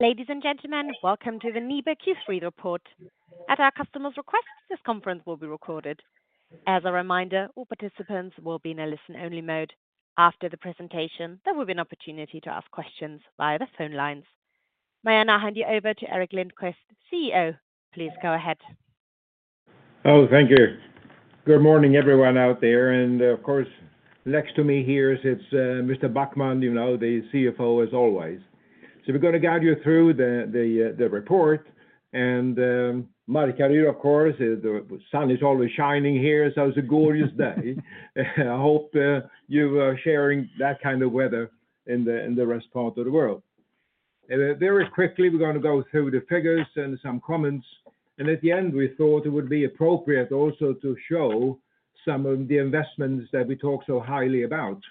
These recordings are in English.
Ladies and gentlemen, welcome to the NIBE Q3 report. At our customer's request, this conference will be recorded. As a reminder, all participants will be in a listen-only mode. After the presentation, there will be an opportunity to ask questions via the phone lines. May I now hand you over to Gerteric Lindquist, CEO. Please go ahead. Oh, thank you. Good morning, everyone out there, and of course, next to me here is Mr. Backman, you know, the CFO as always. So we're gonna guide you through the report and Markaryd, of course, the sun is always shining here, so it's a gorgeous day. I hope you are sharing that kind of weather in the rest of the world. Very quickly, we're gonna go through the figures and some comments, and at the end, we thought it would be appropriate also to show some of the investments that we talk so highly about,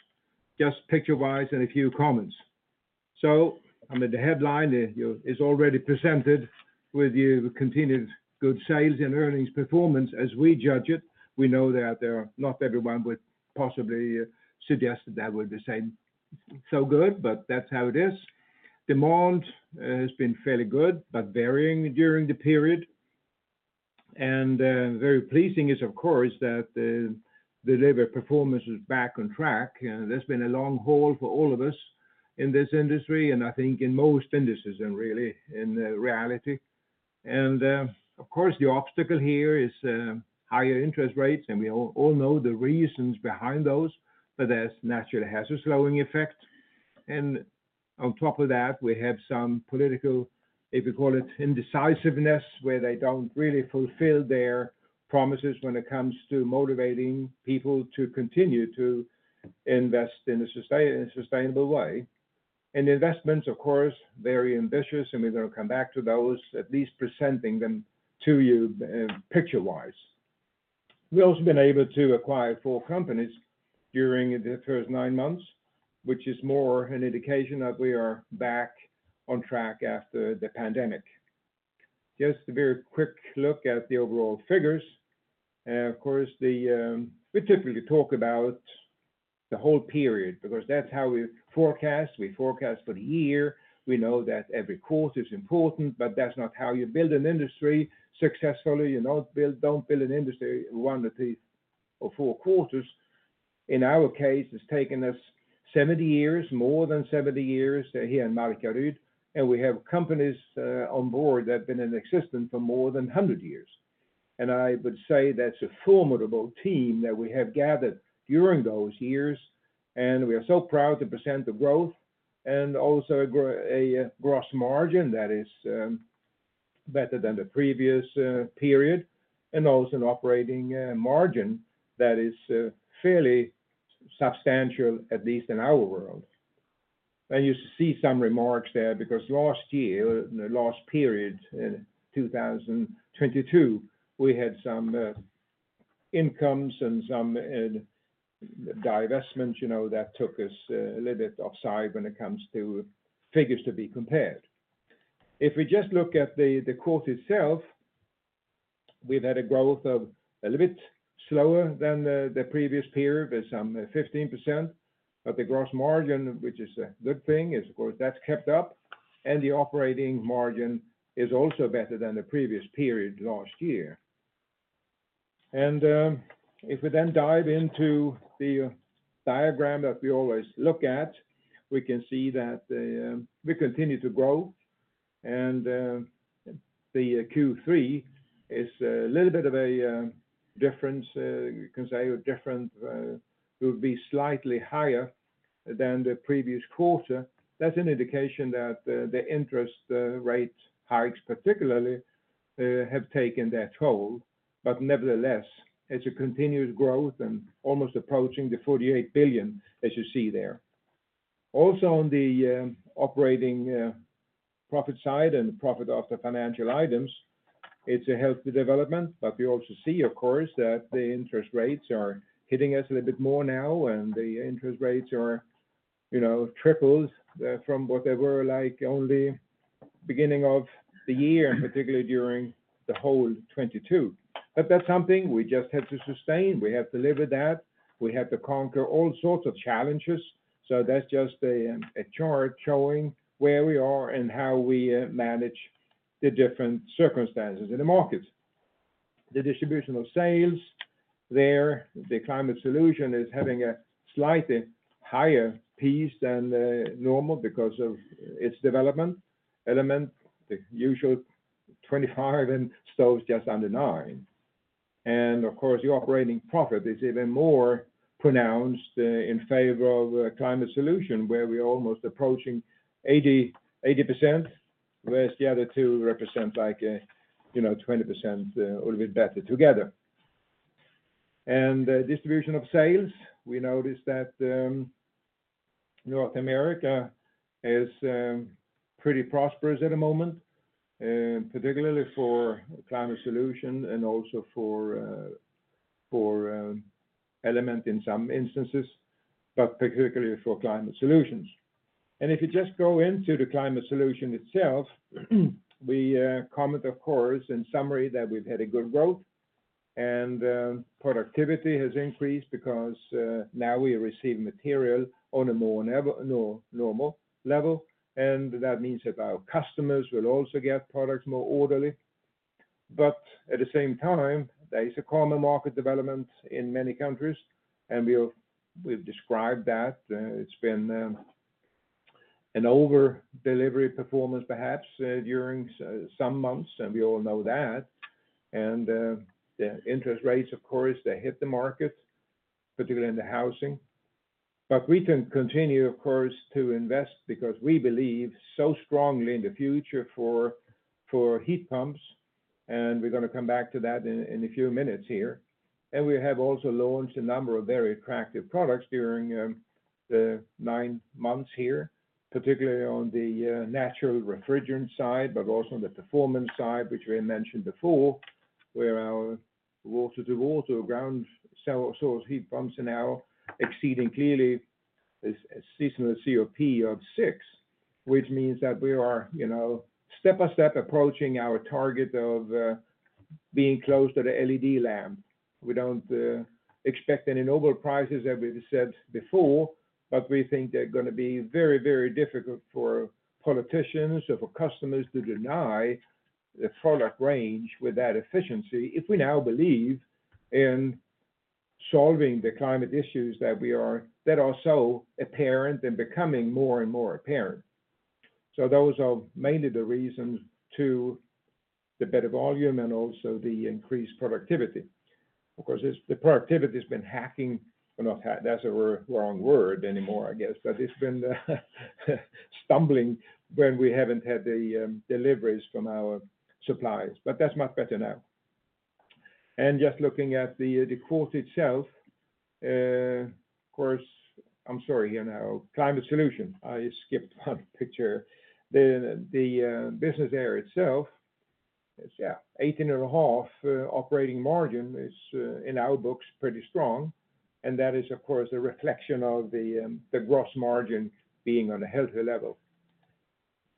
just picture-wise and a few comments. So, I mean, the headline is already presented with you, continued good sales and earnings performance, as we judge it. We know that there are not everyone would possibly suggest that would be same, so good, but that's how it is. Demand has been fairly good, but varying during the period. And very pleasing is, of course, that the labor performance is back on track, and that's been a long haul for all of us in this industry, and I think in most industries and really in reality. And of course, the obstacle here is higher interest rates, and we all know the reasons behind those, but that naturally has a slowing effect. And on top of that, we have some political, if you call it, indecisiveness, where they don't really fulfill their promises when it comes to motivating people to continue to invest in a sustainable way. The investments, of course, very ambitious, and we're gonna come back to those, at least presenting them to you, picture-wise. We've also been able to acquire four companies during the first nine months, which is more an indication that we are back on track after the pandemic. Just a very quick look at the overall figures. Of course, we typically talk about the whole period, because that's how we forecast. We forecast for the year. We know that every quarter is important, but that's not how you build an industry successfully. You don't build an industry one, two, or four quarters. In our case, it's taken us 70 years, more than 70 years here in Markaryd, and we have companies on board that have been in existence for more than 100 years. I would say that's a formidable team that we have gathered during those years, and we are so proud to present the growth and also grow a gross margin that is better than the previous period, and also an operating margin that is fairly substantial, at least in our world. You see some remarks there, because last year, the last period, 2022, we had some incomes and some divestment, you know, that took us a little bit offside when it comes to figures to be compared. If we just look at the quarter itself, we've had a growth a little bit slower than the previous period, but some 15%, but the gross margin, which is a good thing, is, of course, that's kept up, and the operating margin is also better than the previous period last year. If we then dive into the diagram that we always look at, we can see that we continue to grow and the Q3 is a little bit of a difference, you can say a different will be slightly higher than the previous quarter. That's an indication that the interest rate hikes particularly have taken their toll, but nevertheless, it's a continuous growth and almost approaching 48 billion, as you see there. Also, on the operating profit side and profit of the financial items, it's a healthy development, but we also see, of course, that the interest rates are hitting us a little bit more now, and the interest rates are, you know, triples from what they were like only beginning of the year, and particularly during the whole 2022. But that's something we just have to sustain. We have to live with that. We have to conquer all sorts of challenges. So that's just a chart showing where we are and how we manage the different circumstances in the market. The distribution of sales, there, the Climate Solution is having a slightly higher piece than normal because of its development. Element, the usual 25 and Stoves just under nine. Of course, the operating profit is even more pronounced in favor of a Climate Solution, where we're almost approaching 80%, whereas the other two represent like a, you know, 20% or a bit better together. The distribution of sales, we noticed that North America is pretty prosperous at the moment, particularly for Climate Solution and also for Element in some instances, but particularly for Climate Solutions. If you just go into the Climate Solution itself, we comment, of course, in summary, that we've had a good growth, and productivity has increased because now we receive material on a more normal level, and that means that our customers will also get products more orderly. But at the same time, there is a common market development in many countries, and we have, we've described that. It's been an over-delivery performance, perhaps, during some months, and we all know that. The interest rates, of course, they hit the market, particularly in the housing. But we can continue, of course, to invest because we believe so strongly in the future for heat pumps, and we're gonna come back to that in a few minutes here. We have also launched a number of very attractive products during the nine months here, particularly on the natural refrigerant side, but also on the performance side, which we mentioned before, where our water-to-water ground source heat pumps are now exceeding clearly a seasonal COP of six, which means that we are, you know, step-by-step approaching our target of being close to the LED lamp. We don't expect any Nobel Prizes, as we said before, but we think they're gonna be very, very difficult for politicians or for customers to deny a product range with that efficiency, if we now believe in solving the climate issues that are so apparent and becoming more and more apparent. Those are mainly the reasons to the better volume and also the increased productivity. Of course, it's the productivity has been hacking, or not that's a wrong word anymore, I guess, but it's been stumbling when we haven't had the deliveries from our suppliers, but that's much better now. Just looking at the quote itself, of course. I'm sorry, you know, Climate Solution, I skipped one picture. The business area itself, it's yeah, 18.5% operating margin is in our books pretty strong, and that is, of course, a reflection of the gross margin being on a healthier level.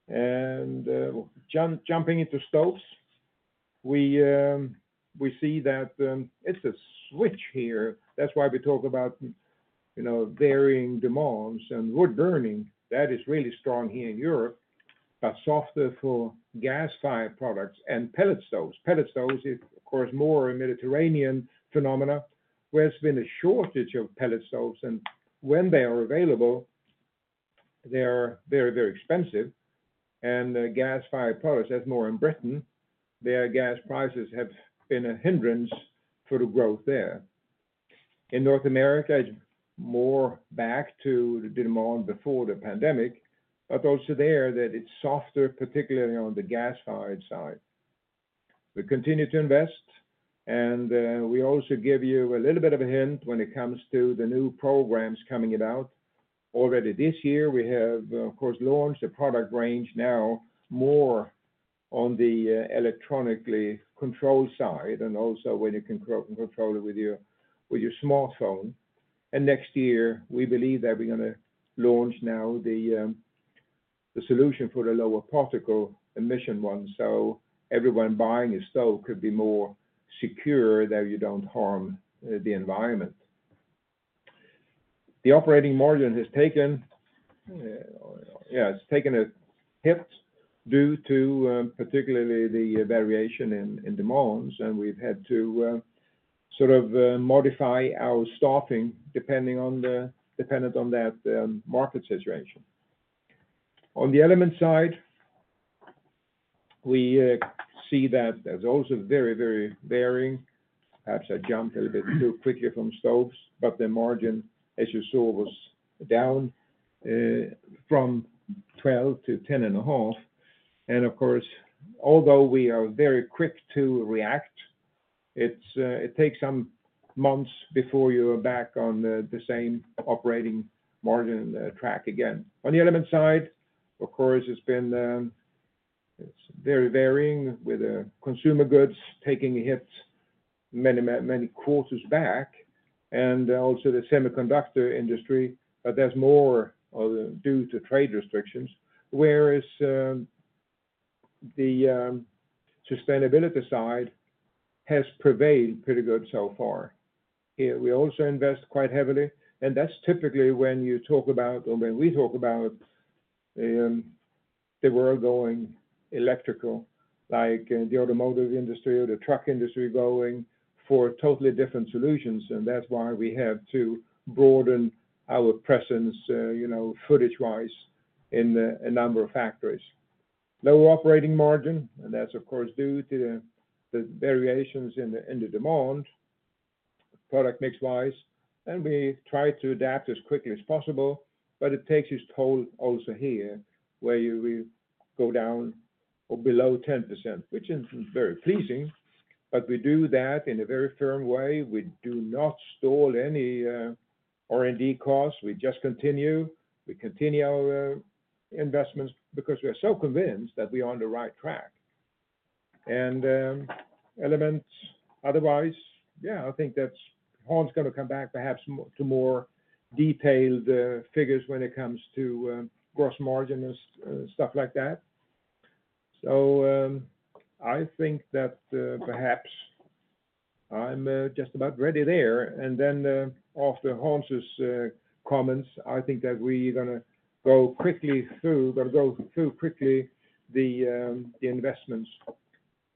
And jumping into stoves, we see that it's a switch here. That's why we talk about, you know, varying demands, and wood-burning that is really strong here in Europe, but softer for gas-fired products and pellet stoves. Pellet stoves is, of course, more a Mediterranean phenomenon, where it's been a shortage of pellet stoves, and when they are available, they're very, very expensive. Gas-fired products, that's more in Britain; there gas prices have been a hindrance for the growth there. In North America, it's more back to the demand before the pandemic, but also there, that it's softer, particularly on the gas-fired side. We continue to invest, and we also give you a little bit of a hint when it comes to the new programs coming out. Already this year, we have, of course, launched a product range now more on the electronically controlled side, and also when you can control it with your smartphone. Next year, we believe that we're gonna launch now the solution for the lower particle emission one, so everyone buying a stove could be more secure that you don't harm the environment. The operating margin has taken, yeah, it's taken a hit due to particularly the variation in demands, and we've had to sort of modify our staffing, dependent on that market situation. On the element side, we see that there's also very, very varying. Perhaps I jumped a little bit too quickly from stoves, but the margin, as you saw, was down from 12% to 10.5%. And of course, although we are very quick to react, it's it takes some months before you're back on the same operating margin track again. On the element side, of course, it's been, it's very varying, with consumer goods taking hits many quarters back, and also the semiconductor industry, but that's more of the due to trade restrictions, whereas the sustainability side has prevailed pretty good so far. We also invest quite heavily, and that's typically when you talk about, or when we talk about, the world going electrical, like the automotive industry or the truck industry going for totally different solutions, and that's why we have to broaden our presence, you know, footage-wise, in a number of factories. Lower operating margin, and that's, of course, due to the variations in the demand, product mix-wise, and we try to adapt as quickly as possible, but it takes its toll also here, where you, we go down or below 10%, which isn't very pleasing, but we do that in a very firm way. We do not stall any R&D costs. We just continue. We continue our investments because we are so convinced that we are on the right track. And Elements otherwise, yeah, I think that's Hans is gonna come back perhaps more to more detailed figures when it comes to gross margin and stuff like that. So, I think that perhaps I'm just about ready there. Then, after Hans's comments, I think that we're gonna go quickly through the investments.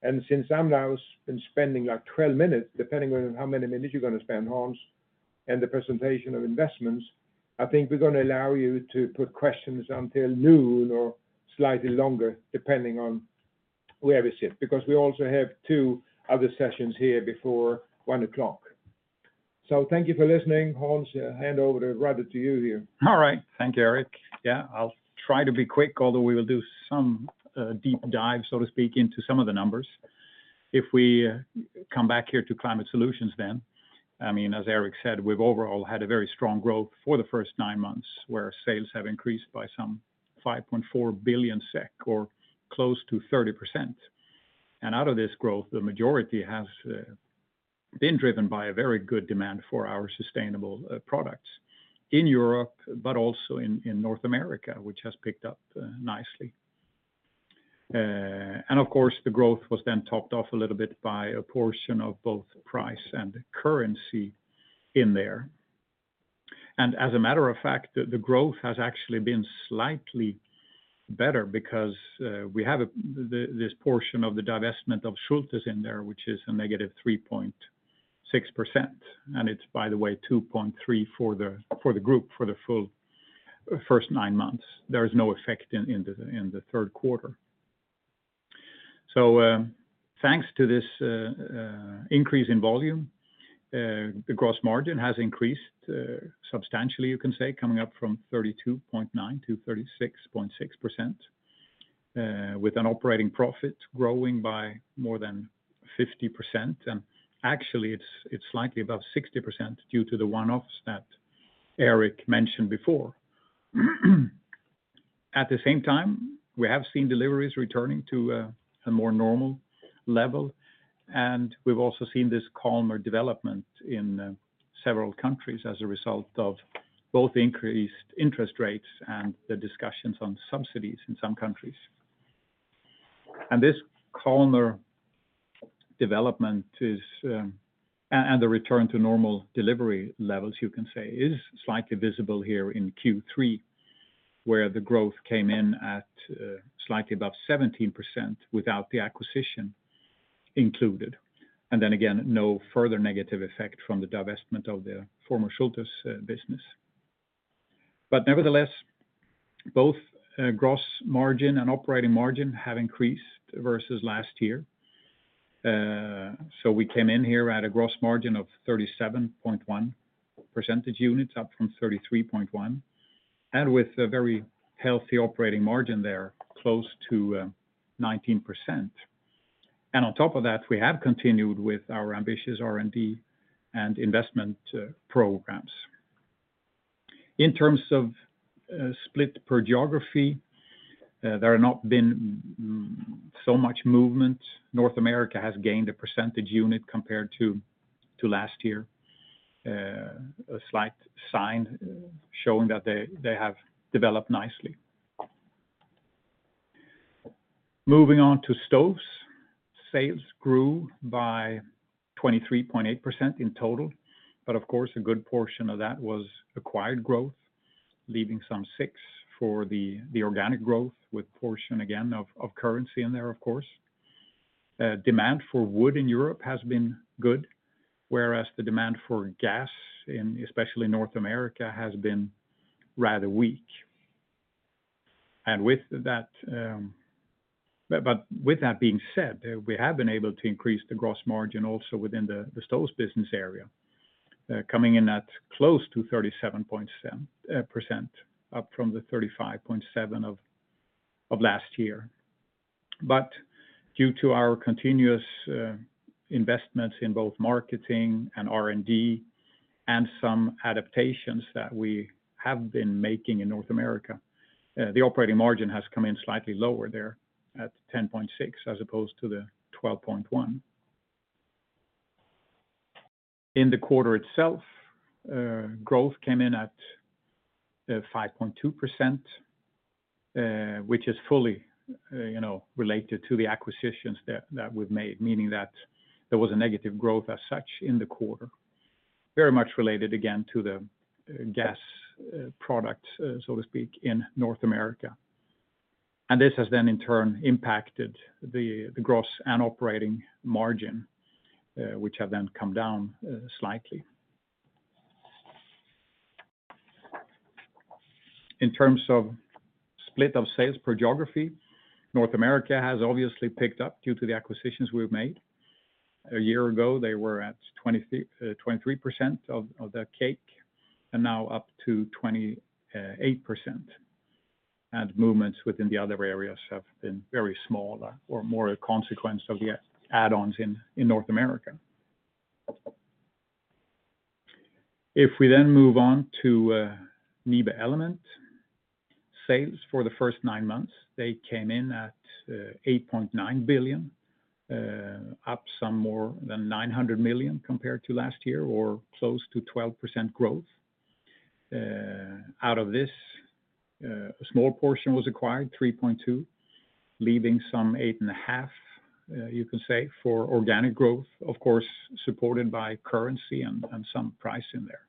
And since I'm now been spending like 12 minutes, depending on how many minutes you're gonna spend, Hans, and the presentation of investments, I think we're gonna allow you to put questions until noon or slightly longer, depending on where we sit, because we also have two other sessions here before one 1:00 P.M. So thank you for listening. Hans, hand over the rudder to you here. All right. Thank you, Gerteric. Yeah, I'll try to be quick, although we will do some deep dive, so to speak, into some of the numbers. If we come back here to Climate Solutions then, I mean, as Gerteric said, we've overall had a very strong growth for the first nine months, where sales have increased by some 5.4 billion SEK, or close to 30%. And out of this growth, the majority has been driven by a very good demand for our sustainable products in Europe, but also in North America, which has picked up nicely. And of course, the growth was then topped off a little bit by a portion of both price and currency in there. And as a matter of fact, the growth has actually been slightly better because we have this portion of the divestment of Schulthess in there, which is a -3.6%, and it's, by the way, 2.3% for the group for the full first nine months. There is no effect in the third quarter. So, thanks to this increase in volume, the gross margin has increased substantially, you can say, coming up from 32.9%-36.6%, with an operating profit growing by more than 50%. And actually, it's slightly above 60% due to the one-offs that Gerteric mentioned before. At the same time, we have seen deliveries returning to a more normal level, and we've also seen this calmer development in several countries as a result of both increased interest rates and the discussions on subsidies in some countries. This calmer development and the return to normal delivery levels, you can say, is slightly visible here in Q3, where the growth came in at slightly above 17% without the acquisition included. Then again, no further negative effect from the divestment of the former Schulthess business. But nevertheless, both gross margin and operating margin have increased versus last year. So we came in here at a gross margin of 37.1 percentage points, up from 33.1 percentage points, and with a very healthy operating margin there, close to 19%. And on top of that, we have continued with our ambitious R&D and investment programs. In terms of split per geography, there have not been so much movement. North America has gained a percentage unit compared to last year, a slight sign showing that they have developed nicely. Moving on to stoves, sales grew by 23.8% in total, but of course, a good portion of that was acquired growth, leaving some 6% for the organic growth, with portion again of currency in there, of course. Demand for wood in Europe has been good, whereas the demand for gas in, especially North America, has been rather weak. But with that being said, we have been able to increase the gross margin also within the stoves business area, coming in at close to 37.7%, up from the 35.7% of last year. But due to our continuous investments in both marketing and R&D, and some adaptations that we have been making in North America, the operating margin has come in slightly lower there at 10.6%, as opposed to the 12.1%. In the quarter itself, growth came in at 5.2%, which is fully, you know, related to the acquisitions that we've made, meaning that there was a negative growth as such in the quarter. Very much related, again, to the gas product, so to speak, in North America. This has then, in turn, impacted the gross and operating margin, which have then come down slightly. In terms of split of sales per geography, North America has obviously picked up due to the acquisitions we've made. A year ago, they were at 23%, 23% of the cake, and now up to 28%. Movements within the other areas have been very small, or more a consequence of the add-ons in North America. If we then move on to NIBE Element, sales for the first nine months came in at 8.9 billion, up some more than 900 million compared to last year, or close to 12% growth. Out of this, a small portion was acquired, 3.2%, leaving some 8.5%, you can say, for organic growth, of course, supported by currency and some price in there.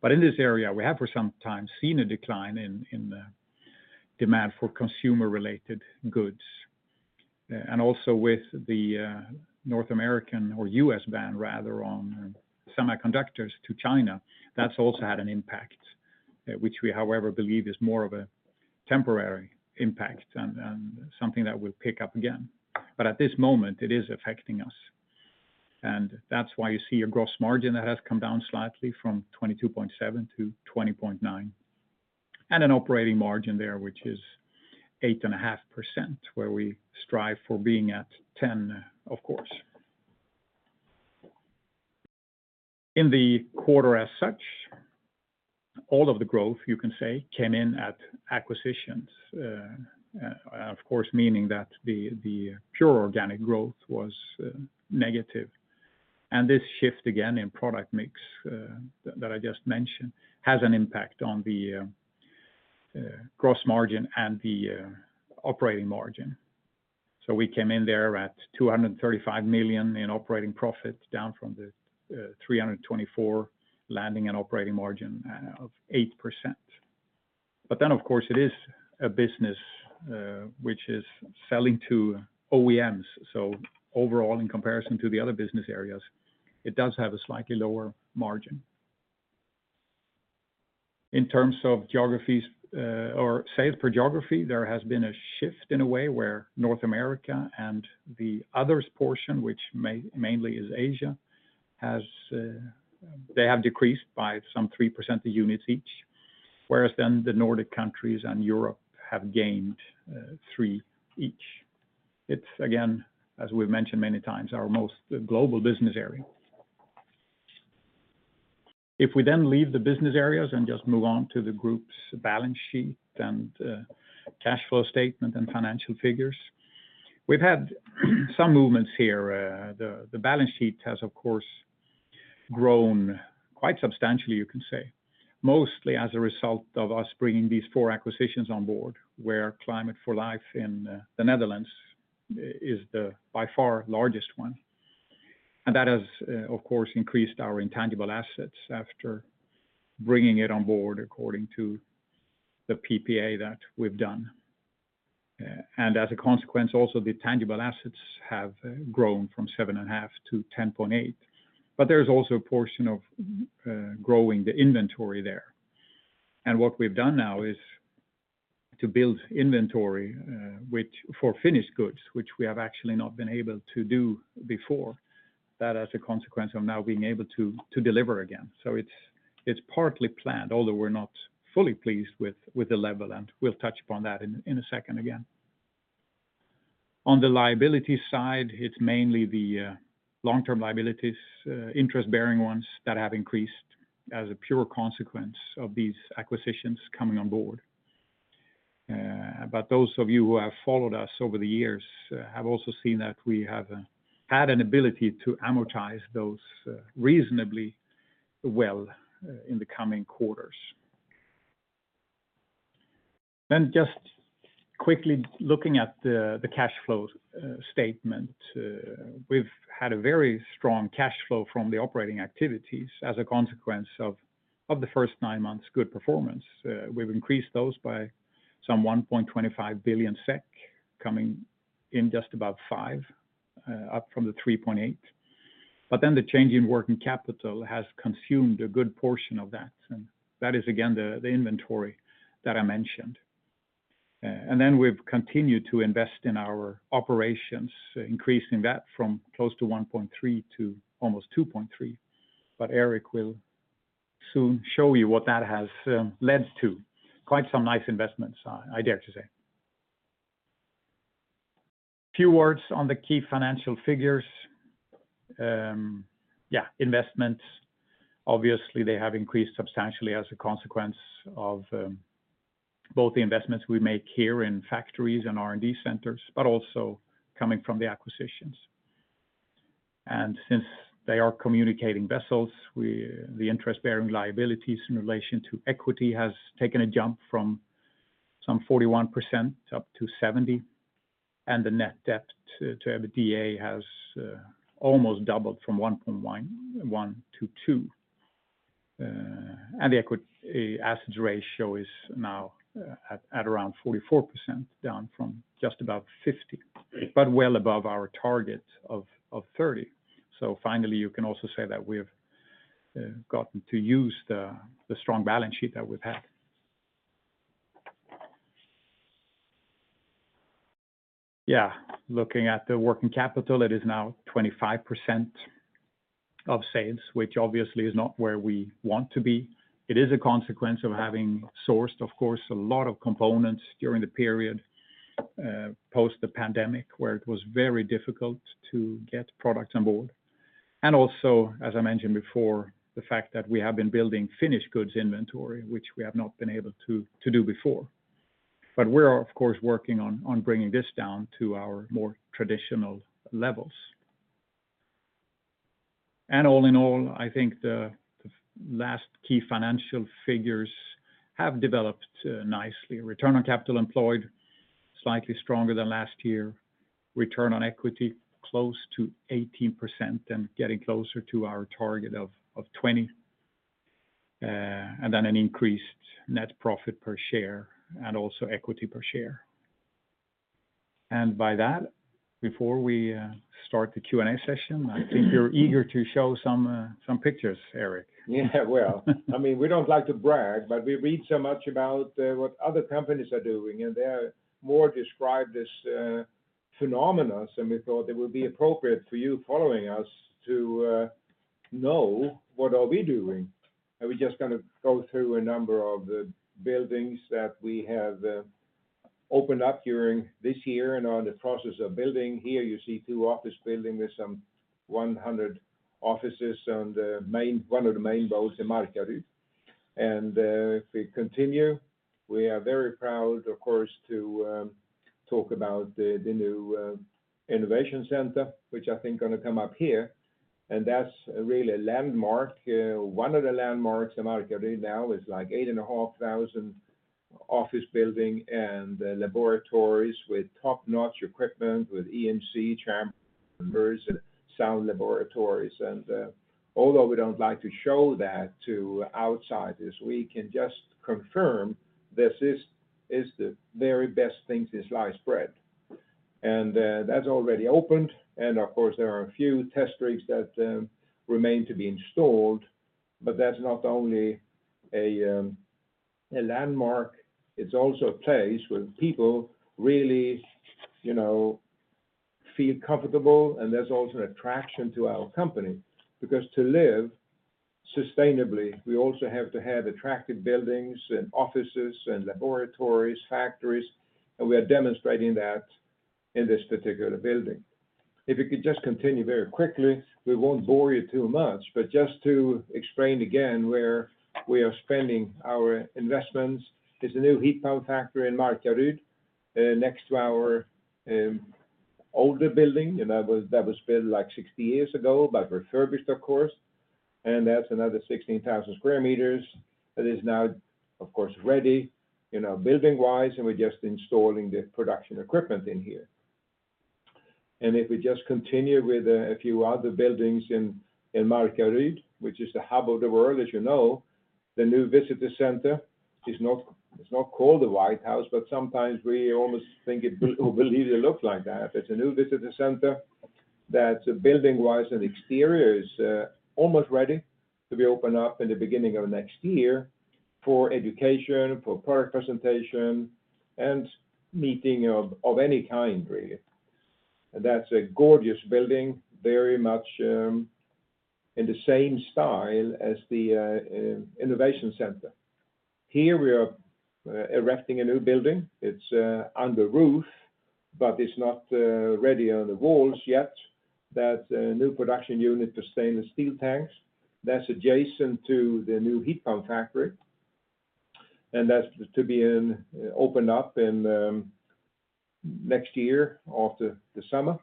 But in this area, we have for some time seen a decline in the demand for consumer-related goods. And also with the North American or U.S. ban rather on semiconductors to China, that's also had an impact, which we however believe is more of a temporary impact and something that will pick up again. But at this moment it is affecting us, and that's why you see a gross margin that has come down slightly from 22.7%-20.9%, and an operating margin there, which is 8.5%, where we strive for being at 10%, of course. In the quarter as such, all of the growth, you can say, came in at acquisitions, of course, meaning that the, the pure organic growth was, negative. And this shift, again, in product mix, that I just mentioned, has an impact on the, gross margin and the, operating margin. So we came in there at 235 million in operating profit, down from the, 324 million, landing an operating margin, of 8%. But then, of course, it is a business, which is selling to OEMs. So overall, in comparison to the other business areas, it does have a slightly lower margin. In terms of geographies, or sales per geography, there has been a shift in a way where North America and the others portion, which mainly is Asia, they have decreased by some 3% the units each, whereas then the Nordic countries and Europe have gained, 3% each. It's again, as we've mentioned many times, our most global business area. If we then leave the business areas and just move on to the group's balance sheet and, cash flow statement and financial figures, we've had, some movements here. The, the balance sheet has, of course, grown quite substantially, you can say, mostly as a result of us bringing these four acquisitions on board, where Climate for Life in, the Netherlands is the, by far, largest one. And that has, of course, increased our intangible assets after bringing it on board according to the PPA that we've done. And as a consequence, also, the tangible assets have grown from 7.5%-10.8%, but there's also a portion of growing the inventory there. And what we've done now is to build inventory, which for finished goods, which we have actually not been able to do before, that as a consequence of now being able to, to deliver again. So it's, it's partly planned, although we're not fully pleased with, with the level, and we'll touch upon that in, in a second again. On the liability side, it's mainly the long-term liabilities, interest-bearing ones that have increased as a pure consequence of these acquisitions coming on board. But those of you who have followed us over the years have also seen that we have had an ability to amortize those reasonably well in the coming quarters. Then just quickly looking at the cash flow statement. We've had a very strong cash flow from the operating activities as a consequence of the first nine months' good performance. We've increased those by some 1.25 billion SEK, coming in just about 5%, up from the 3.8%. But then the change in working capital has consumed a good portion of that, and that is, again, the inventory that I mentioned. And then we've continued to invest in our operations, increasing that from close to 1.3% to almost 2.3%. But Gerteric will soon show you what that has led to. Quite some nice investments, I dare to say. Few words on the key financial figures. Yeah, investments. Obviously, they have increased substantially as a consequence of both the investments we make here in factories and R&D centers, but also coming from the acquisitions. Since they are communicating vessels, the interest-bearing liabilities in relation to equity has taken a jump from some 41% up to 70%, and the net debt to EBITDA has almost doubled from 1.11%-2%. And the equity assets ratio is now at around 44%, down from just about 50%, but well above our target of 30%. Finally, you can also say that we've gotten to use the strong balance sheet that we've had. Yeah, looking at the working capital, it is now 25% of sales, which obviously is not where we want to be. It is a consequence of having sourced, of course, a lot of components during the period post the pandemic, where it was very difficult to get products on board. And also, as I mentioned before, the fact that we have been building finished goods inventory, which we have not been able to do before. But we're, of course, working on bringing this down to our more traditional levels. And all in all, I think the last key financial figures have developed nicely. Return on capital employed, slightly stronger than last year. Return on equity, close to 18% and getting closer to our target of 20%. And then an increased net profit per share and also equity per share. And by that, before we start the Q&A session, I think you're eager to show some pictures, Gerteric. Yeah, well, I mean, we don't like to brag, but we read so much about what other companies are doing, and they are more described as phenomenons. And we thought it would be appropriate for you following us to know what are we doing. And we're just gonna go through a number of the buildings that we have opened up during this year and are in the process of building. Here you see two office building with some 100 offices on the main one of the main roads in Markaryd. And if we continue, we are very proud, of course, to talk about the new innovation center, which I think gonna come up here, and that's really a landmark. One of the landmarks in Markaryd now is like 8,500 office building and laboratories with top-notch equipment, with EMC chambers and sound laboratories. And although we don't like to show that to outsiders, we can just confirm this is the very best things since sliced bread. And that's already opened, and of course, there are a few test rigs that remain to be installed, but that's not only a landmark, it's also a place where people really, you know, feel comfortable. And that's also an attraction to our company, because to live sustainably, we also have to have attractive buildings and offices and laboratories, factories, and we are demonstrating that in this particular building. If you could just continue very quickly, we won't bore you too much, but just to explain again where we are spending our investments. There's a new heat pump factory in Markaryd, next to our older building, and that was built like 60 years ago, but refurbished, of course. That's another 16,000 sq meters that is now, of course, ready, you know, building-wise, and we're just installing the production equipment in here. If we just continue with a few other buildings in Markaryd, which is the hub of the world, as you know. The new visitor center is not called the White House, but sometimes we almost think it will really look like that. It's a new visitor center that building-wise and exterior is almost ready to be opened up in the beginning of next year for education, for product presentation, and meeting of any kind, really. That's a gorgeous building, very much in the same style as the innovation center. Here we are erecting a new building. It's under roof, but it's not ready on the walls yet. That's a new production unit for stainless steel tanks that's adjacent to the new heat pump factory, and that's to be opened up in next year after the summer.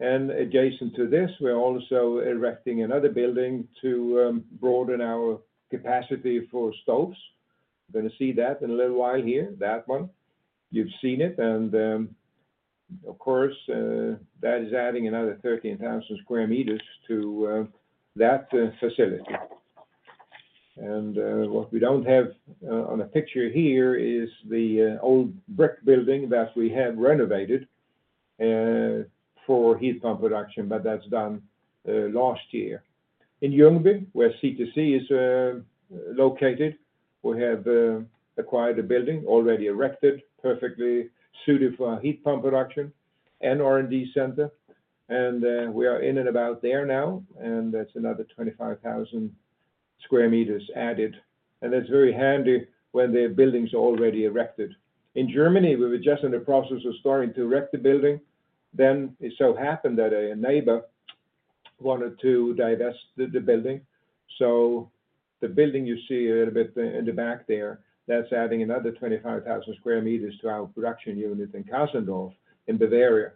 Adjacent to this, we're also erecting another building to broaden our capacity for stoves. We're gonna see that in a little while here. That one, you've seen it, and of course that is adding another 13,000 sq meters to that facility. What we don't have on the picture here is the old brick building that we have renovated for heat pump production, but that's done last year. In Ljungby, where CTC is located, we have acquired a building already erected, perfectly suited for our heat pump production and R&D center. We are in and about there now, and that's another 25,000 sq meters added. That's very handy when the building's already erected. In Germany, we were just in the process of starting to erect the building. Then it so happened that a neighbor wanted to divest the building, so the building you see a little bit in the back there, that's adding another 25,000 sq meters to our production unit in Kasendorf, in Bavaria.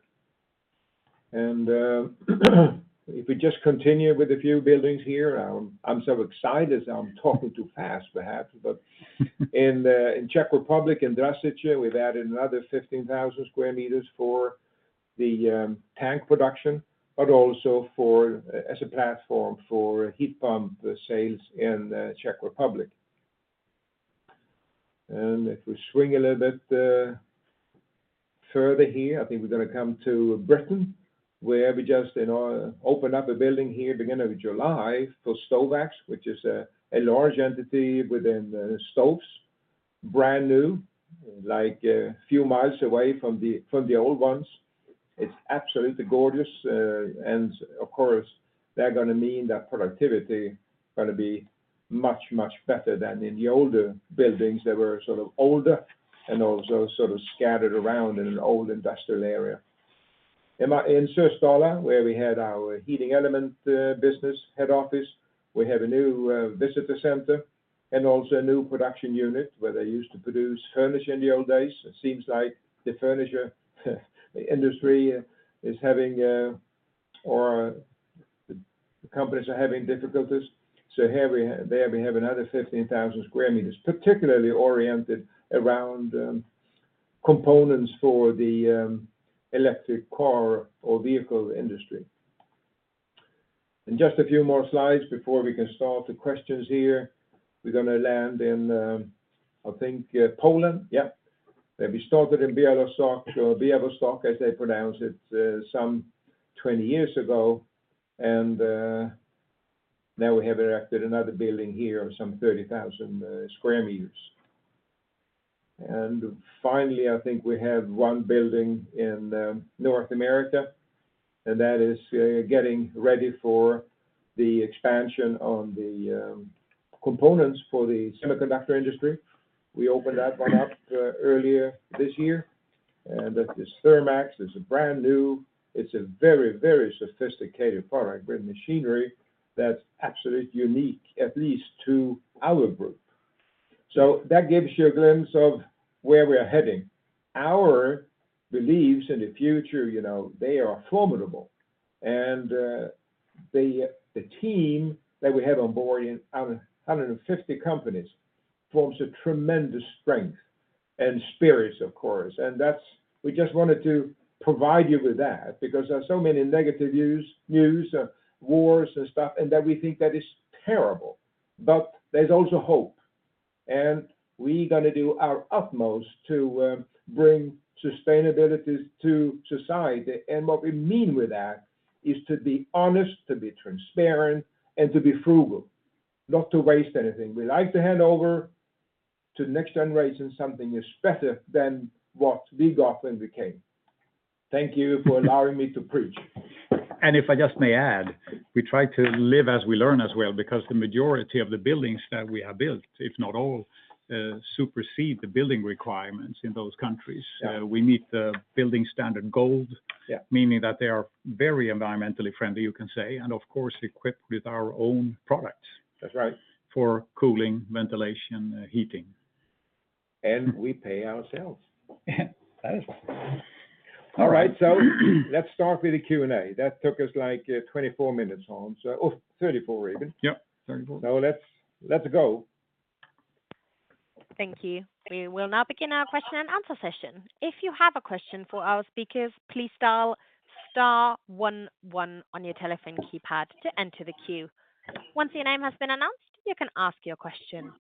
If we just continue with a few buildings here, I'm so excited as I'm talking too fast, perhaps, but in the Czech Republic, in Dražice, we've added another 15,000 sq meters for the tank production, but also for, as a platform for heat pump sales in the Czech Republic. If we swing a little bit further here, I think we're gonna come to Britain, where we just, you know, opened up a building here beginning of July for Stovax, which is a large entity within stoves. Brand new, like, few miles away from the old ones. It's absolutely gorgeous. And of course, they're gonna mean that productivity gonna be much, much better than in the older buildings that were sort of older and also sort of scattered around in an old industrial area. In Sösdala, where we had our heating element business head office, we have a new visitor center and also a new production unit where they used to produce furniture in the old days. It seems like the furniture industry is having or the companies are having difficulties. So there we have another 15,000 sq meters, particularly oriented around components for the electric car or vehicle industry. And just a few more slides before we can start the questions here. We're gonna land in, I think, Poland. Yep. Then we started in Białystok, or Białystok, as they pronounce it, some 20 years ago. And now we have erected another building here of some 30,000 sq meters. And finally, I think we have one building in North America, and that is getting ready for the expansion on the components for the semiconductor industry. We opened that one up earlier this year, and that is Therm-X. It's brand new. It's a very, very sophisticated product with machinery that's absolutely unique, at least to our group. So that gives you a glimpse of where we are heading. Our beliefs in the future, you know, they are formidable. And the team that we have on board in out of 150 companies forms a tremendous strength and spirit, of course, and that's. We just wanted to provide you with that because there are so many negative news, news of wars and stuff, and that we think that is terrible. But there's also hope, and we're gonna do our utmost to bring sustainability to society. What we mean with that is to be honest, to be transparent, and to be frugal, not to waste anything. We'd like to hand over to the next generation something is better than what we got when we came. Thank you for allowing me to preach. If I just may add, we try to live as we learn as well, because the majority of the buildings that we have built, if not all, supersede the building requirements in those countries. Yeah. We meet the building standard gold- Yeah... meaning that they are very environmentally friendly, you can say, and of course, equipped with our own products- That's right -for cooling, ventilation, heating. We pay ourselves. That is right. All right, so let's start with the Q&A. That took us, like, 24 minutes, Hans, oh, 34 even. Yep, 34. So, let's go. Thank you. We will now begin our question and answer session. If you have a question for our speakers, please dial star one one on your telephone keypad to enter the queue. Once your name has been announced, you can ask your question.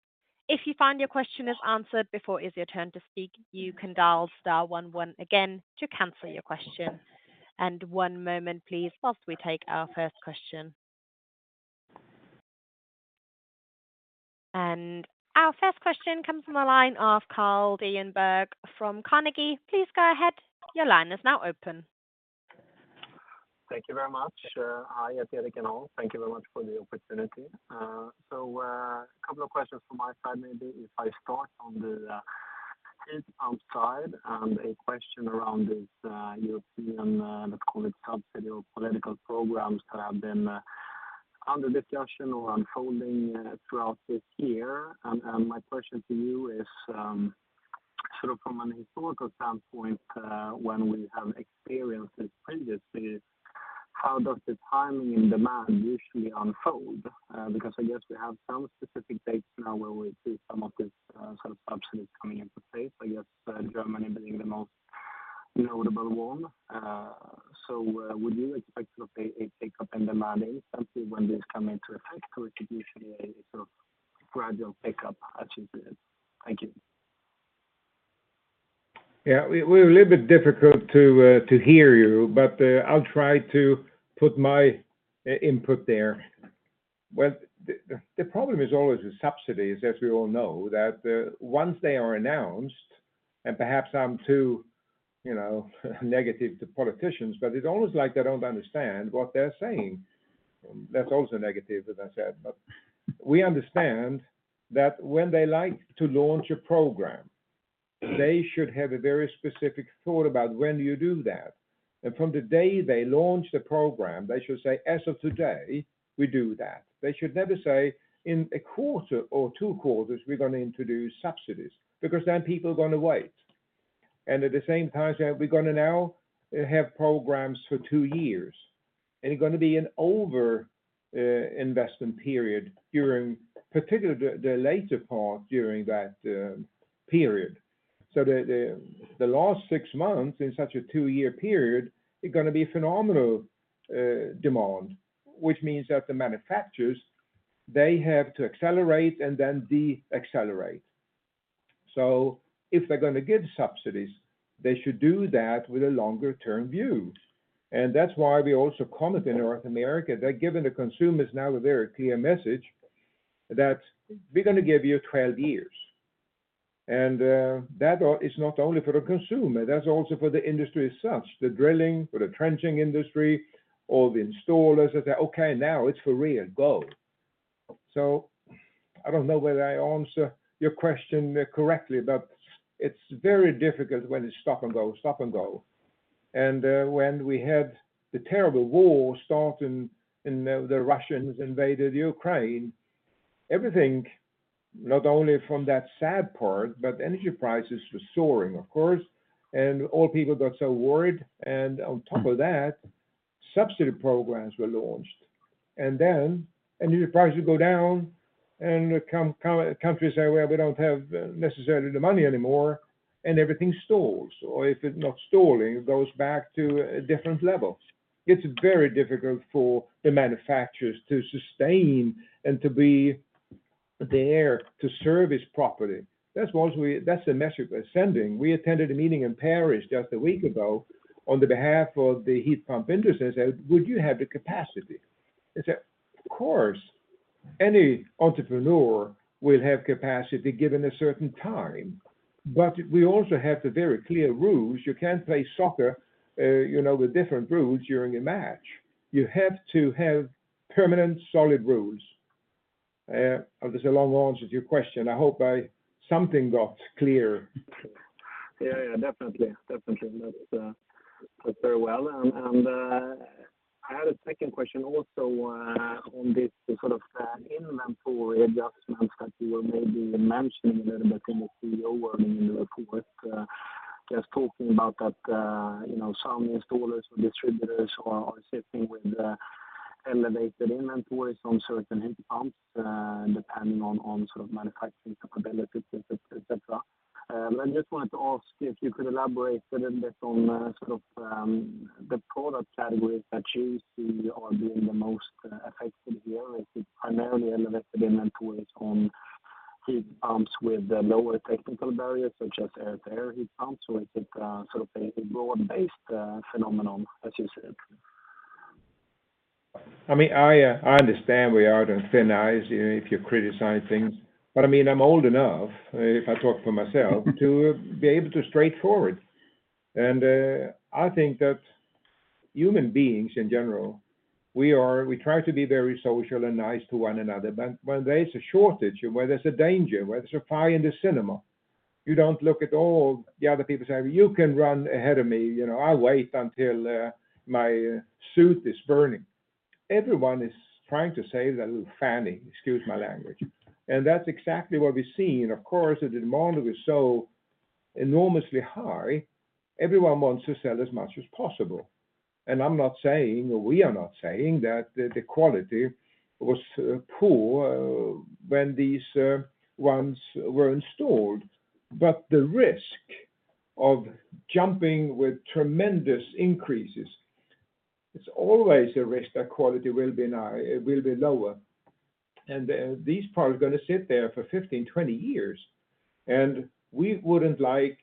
If you find your question is answered before it is your turn to speak, you can dial star one one again to cancel your question. And one moment, please, whilst we take our first question. And our first question comes from the line of Carl Deijenberg from Carnegie. Please go ahead. Your line is now open. Thank you very much. Hi, Gerteric and Hans. Thank you very much for the opportunity. So, a couple of questions from my side. Maybe if I start on the heat pump side and a question around this European, let's call it subsidy or political programs that have been under discussion or unfolding throughout this year. And my question to you is, sort of from an historical standpoint, when we have experienced this previously, how does the timing and demand usually unfold? Because I guess we have some specific dates now where we see some of this sort of subsidies coming into place. I guess, Germany being the most notable one. So, would you expect to see a pickup in demand essentially when this come into effect, or it is usually a sort of gradual pickup actually? Thank you. Yeah, we're a little bit difficult to hear you, but I'll try to put my input there. Well, the problem is always with subsidies, as we all know, that once they are announced, and perhaps I'm too, you know, negative to politicians, but it's almost like they don't understand what they're saying. That's also negative, as I said. But we understand that when they like to launch a program, they should have a very specific thought about when you do that. And from the day they launch the program, they should say, "As of today, we do that." They should never say, "In a quarter or two quarters, we're gonna introduce subsidies," because then people are gonna wait. And at the same time, say, "We're gonna now have programs for two years," and it's gonna be an overinvestment period during particularly the later part during that period. So the last 6 months in such a two-year period is gonna be phenomenal demand, which means that the manufacturers, they have to accelerate and then deaccelerate. So if they're gonna give subsidies, they should do that with a longer term view. And that's why we also comment in North America, they're giving the consumers now a very clear message that, "We're gonna give you 12 years." And that also is not only for the consumer, that's also for the industry as such, the drilling, for the trenching industry, all the installers that say, "Okay, now it's for real. Go!" So I don't know whether I answer your question correctly, but it's very difficult when it's stop and go, stop and go.... And when we had the terrible war start and the Russians invaded Ukraine, everything, not only from that sad part, but energy prices were soaring, of course, and all people got so worried. And on top of that, subsidy programs were launched. And then energy prices go down and countries say, "Well, we don't have necessarily the money anymore," and everything stalls, or if it's not stalling, it goes back to a different level. It's very difficult for the manufacturers to sustain and to be there to service properly. That's what that's the message we're sending. We attended a meeting in Paris just a week ago on behalf of the heat pump industry, and said, "Would you have the capacity?" They said, "Of course, any entrepreneur will have capacity given a certain time." But we also have the very clear rules. You can't play soccer, you know, with different rules during a match. You have to have permanent, solid rules. This is a long answer to your question. I hope I... Something got clear. Yeah, yeah, definitely, definitely. That's, that's very well. And, and, I had a second question also, on this sort of, inventory adjustments that you were maybe mentioning a little bit in the CEO warning report. Just talking about that, you know, some installers or distributors are, are sitting with, elevated inventories on certain heat pumps, depending on, on sort of manufacturing capabilities, et cetera. I just wanted to ask if you could elaborate a little bit on, sort of, the product categories that you see are being the most effective here. Is it primarily elevated inventories on heat pumps with lower technical barriers, such as air-to-air heat pumps, or is it, sort of a broad-based, phenomenon, as you said? I mean, I understand we are on thin ice if you're criticizing, but, I mean, I'm old enough, if I talk for myself, to be able to straightforward. And, I think that human beings in general, we try to be very social and nice to one another, but when there is a shortage and where there's a danger, where there's a fire in the cinema, you don't look at all the other people saying, "You can run ahead of me, you know, I'll wait until, my suit is burning." Everyone is trying to save their little fanny. Excuse my language. And that's exactly what we're seeing. Of course, the demand is so enormously high, everyone wants to sell as much as possible. I'm not saying, or we are not saying, that the quality was poor when these ones were installed, but the risk of jumping with tremendous increases, it's always a risk that quality will be lower. These products are going to sit there for 15, 20 years, and we wouldn't like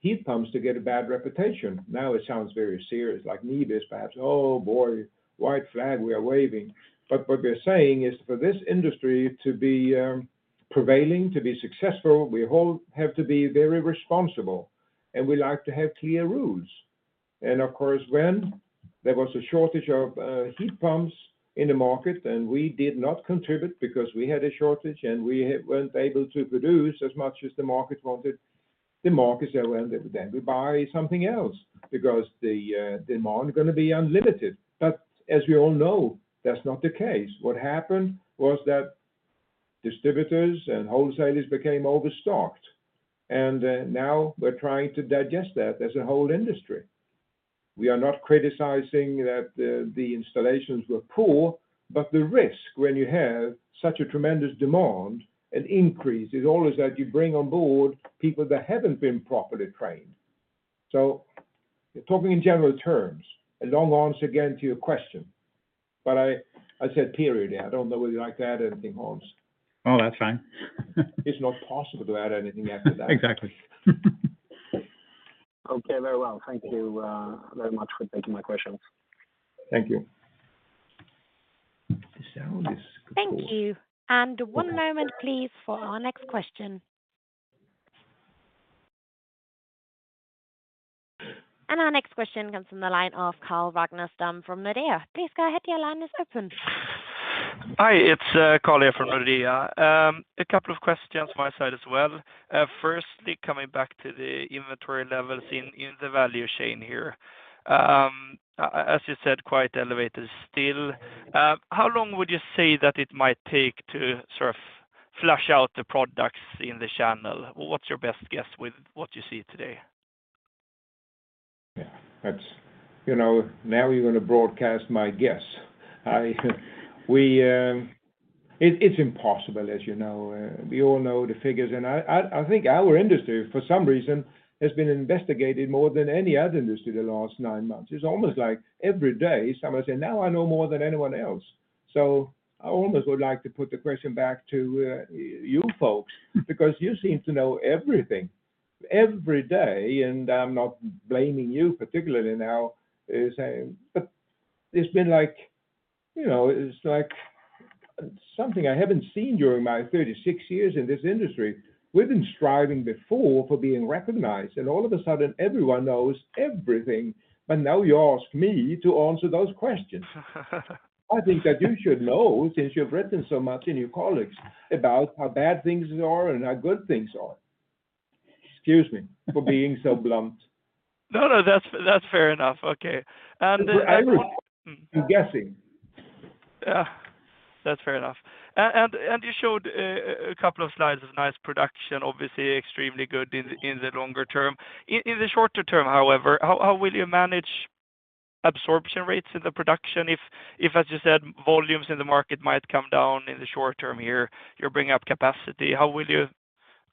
heat pumps to get a bad reputation. Now, it sounds very serious, like NIBE is perhaps, "Oh, boy, white flag, we are waving." But what we're saying is for this industry to be prevailing, to be successful, we all have to be very responsible, and we like to have clear rules. And of course, when there was a shortage of heat pumps in the market, and we did not contribute because we had a shortage, and we weren't able to produce as much as the market wanted, the market said, "Well, then we buy something else," because the demand is going to be unlimited. But as we all know, that's not the case. What happened was that distributors and wholesalers became overstocked, and now we're trying to digest that as a whole industry. We are not criticizing that the installations were poor, but the risk when you have such a tremendous demand and increase is always that you bring on board people that haven't been properly trained. So talking in general terms, a long answer, again, to your question, but I said period there. I don't know whether you'd like to add anything else. No, that's fine. It's not possible to add anything after that. Exactly. Okay, very well. Thank you, very much for taking my questions. Thank you. The sound is. Thank you. One moment, please, for our next question. Our next question comes from the line of Carl Ragnerstam from Nordea. Please go ahead, your line is open. Hi, it's Carl here from Nordea. A couple of questions my side as well. Firstly, coming back to the inventory levels in the value chain here. As you said, quite elevated still. How long would you say that it might take to sort of flush out the products in the channel? What's your best guess with what you see today? Yeah, that's... You know, now you're going to broadcast my guess. It's impossible, as you know. We all know the figures, and I think our industry, for some reason, has been investigated more than any other industry the last nine months. It's almost like every day, someone say, "Now I know more than anyone else." So I almost would like to put the question back to you folks, because you seem to know everything, every day, and I'm not blaming you particularly now. But it's been like, you know, it's like something I haven't seen during my 36 years in this industry. We've been striving before for being recognized, and all of a sudden, everyone knows everything, but now you ask me to answer those questions. I think that you should know, since you've written so much in your colleagues about how bad things are and how good things are. Excuse me for being so blunt. No, no, that's, that's fair enough. Okay, and, I have one more- I'm guessing. Yeah, that's fair enough. And you showed a couple of slides of nice production, obviously extremely good in the longer term. In the shorter term, however, how will you manage absorption rates in the production? If, as you said, volumes in the market might come down in the short term here, you're bringing up capacity, how will you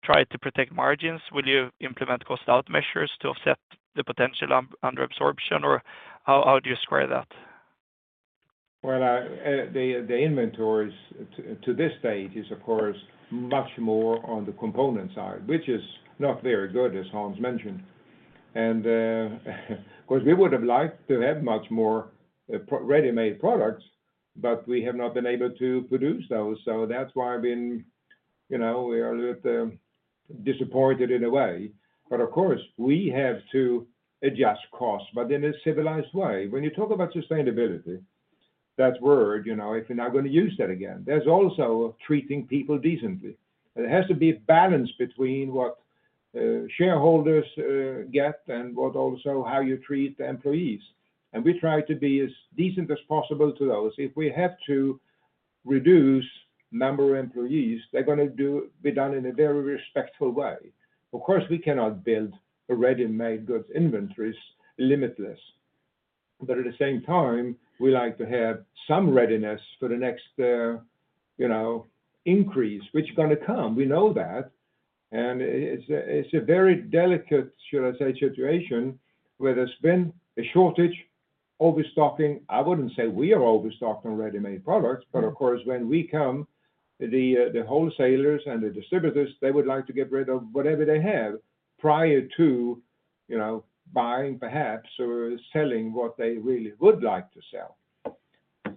try to protect margins? Will you implement cost out measures to offset the potential under absorption, or how do you square that? Well, the inventories to this stage is of course, much more on the component side, which is not very good, as Hans mentioned. And, of course, we would have liked to have much more ready-made products, but we have not been able to produce those. So that's why I've been, you know, we are a little disappointed in a way, but of course, we have to adjust costs, but in a civilized way. When you talk about sustainability, that word, you know, if you're now gonna use that again, there's also treating people decently. It has to be a balance between what shareholders get and also how you treat the employees. And we try to be as decent as possible to those. If we have to reduce number of employees, they're gonna be done in a very respectful way. Of course, we cannot build a ready-made goods inventories, limitless. But at the same time, we like to have some readiness for the next, you know, increase, which is gonna come. We know that, and it's a very delicate, should I say, situation, where there's been a shortage, overstocking. I wouldn't say we are overstocked on ready-made products, but of course, when we come, the wholesalers and the distributors, they would like to get rid of whatever they have prior to, you know, buying perhaps or selling what they really would like to sell.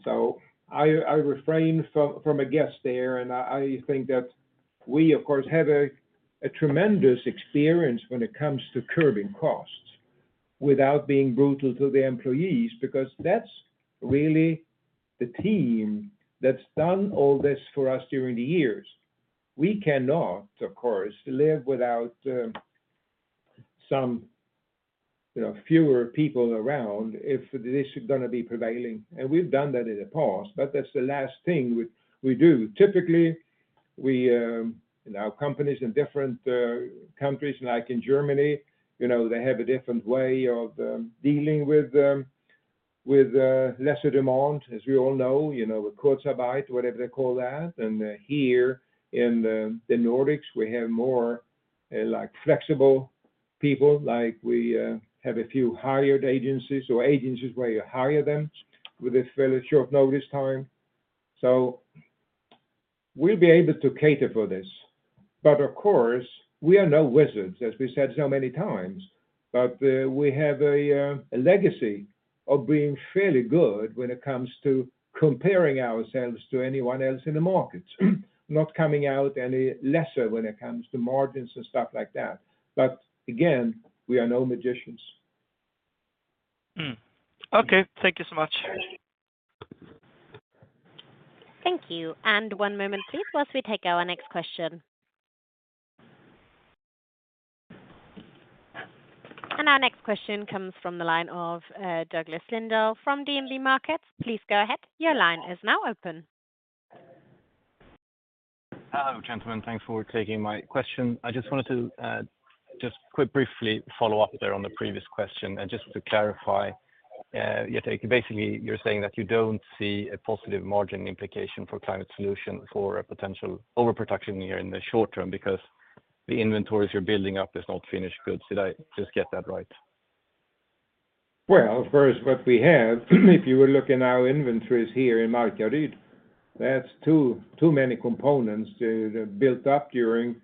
So I refrain from a guess there, and I think that we, of course, have a tremendous experience when it comes to curbing costs without being brutal to the employees, because that's really the team that's done all this for us during the years. We cannot, of course, live without, some, you know, fewer people around if this is gonna be prevailing, and we've done that in the past, but that's the last thing we do. Typically, we, in our companies in different countries, like in Germany, you know, they have a different way of dealing with lesser demand, as we all know, you know, the Kurzarbeit, whatever they call that. And, here in the Nordics, we have more, like, flexible people. Like we have a few hired agencies or agencies where you hire them with a fairly short notice time. So we'll be able to cater for this. But of course, we are no wizards, as we said so many times, but we have a legacy of being fairly good when it comes to comparing ourselves to anyone else in the market. Not coming out any lesser when it comes to margins and stuff like that. But again, we are no magicians. Hmm. Okay, thank you so much. Thank you. One moment, please, while we take our next question. Our next question comes from the line of Douglas Lindahl from DNB Markets. Please go ahead. Your line is now open. Hello, gentlemen. Thanks for taking my question. I just wanted to just quickly briefly follow up there on the previous question and just to clarify, you basically, you're saying that you don't see a positive margin implication for Climate Solutions for a potential overproduction here in the short term, because the inventories you're building up is not finished goods. Did I just get that right? Well, first, what we have, if you were looking at our inventories here in Markaryd, that's too many components that built up during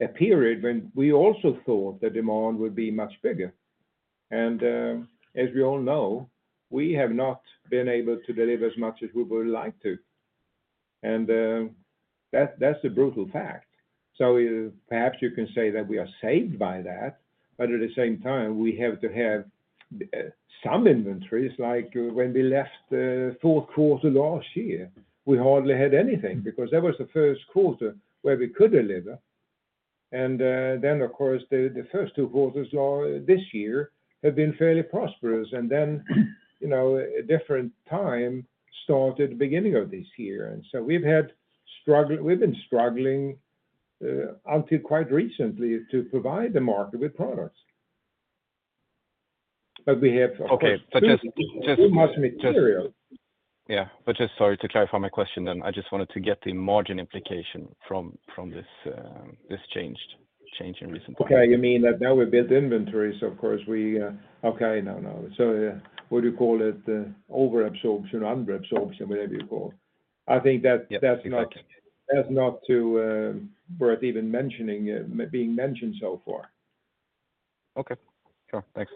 a period when we also thought the demand would be much bigger. As we all know, we have not been able to deliver as much as we would like to. That's a brutal fact. So perhaps you can say that we are saved by that, but at the same time, we have to have some inventories, like when we left the fourth quarter last year, we hardly had anything because that was the first quarter where we could deliver. Then, of course, the first two quarters of this year have been fairly prosperous. Then, you know, a different time started at the beginning of this year. And so we've been struggling, until quite recently to provide the market with products. But we have, of course- Okay. So just, Too much material. Yeah, but just sorry to clarify my question then. I just wanted to get the margin implication from this change in recent time. Okay. You mean that now we built inventories, of course, we... Okay, now, now. So, what do you call it? Over absorption, under absorption, whatever you call. I think that- Yeah, exactly. That's not worth even mentioning so far. Okay, sure. Thanks.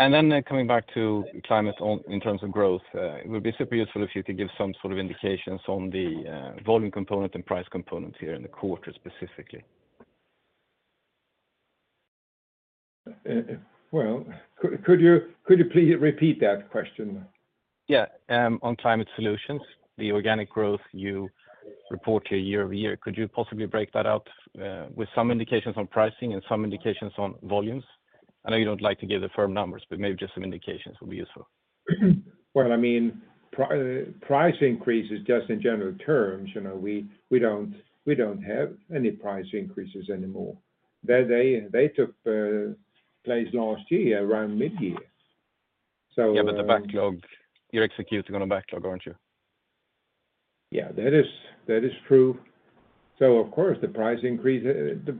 And then coming back to climate on, in terms of growth, it would be super useful if you could give some sort of indications on the volume component and price component here in the quarter, specifically. Well, could you please repeat that question? Yeah, on Climate Solutions, the organic growth you report here year-over-year, could you possibly break that out, with some indications on pricing and some indications on volumes? I know you don't like to give the firm numbers, but maybe just some indications will be useful. Well, I mean, price increases, just in general terms, you know, we don't have any price increases anymore. They took place last year around midyear. Yeah, but the backlog, you're executing on a backlog, aren't you? Yeah, that is, that is true. So of course, the price increase,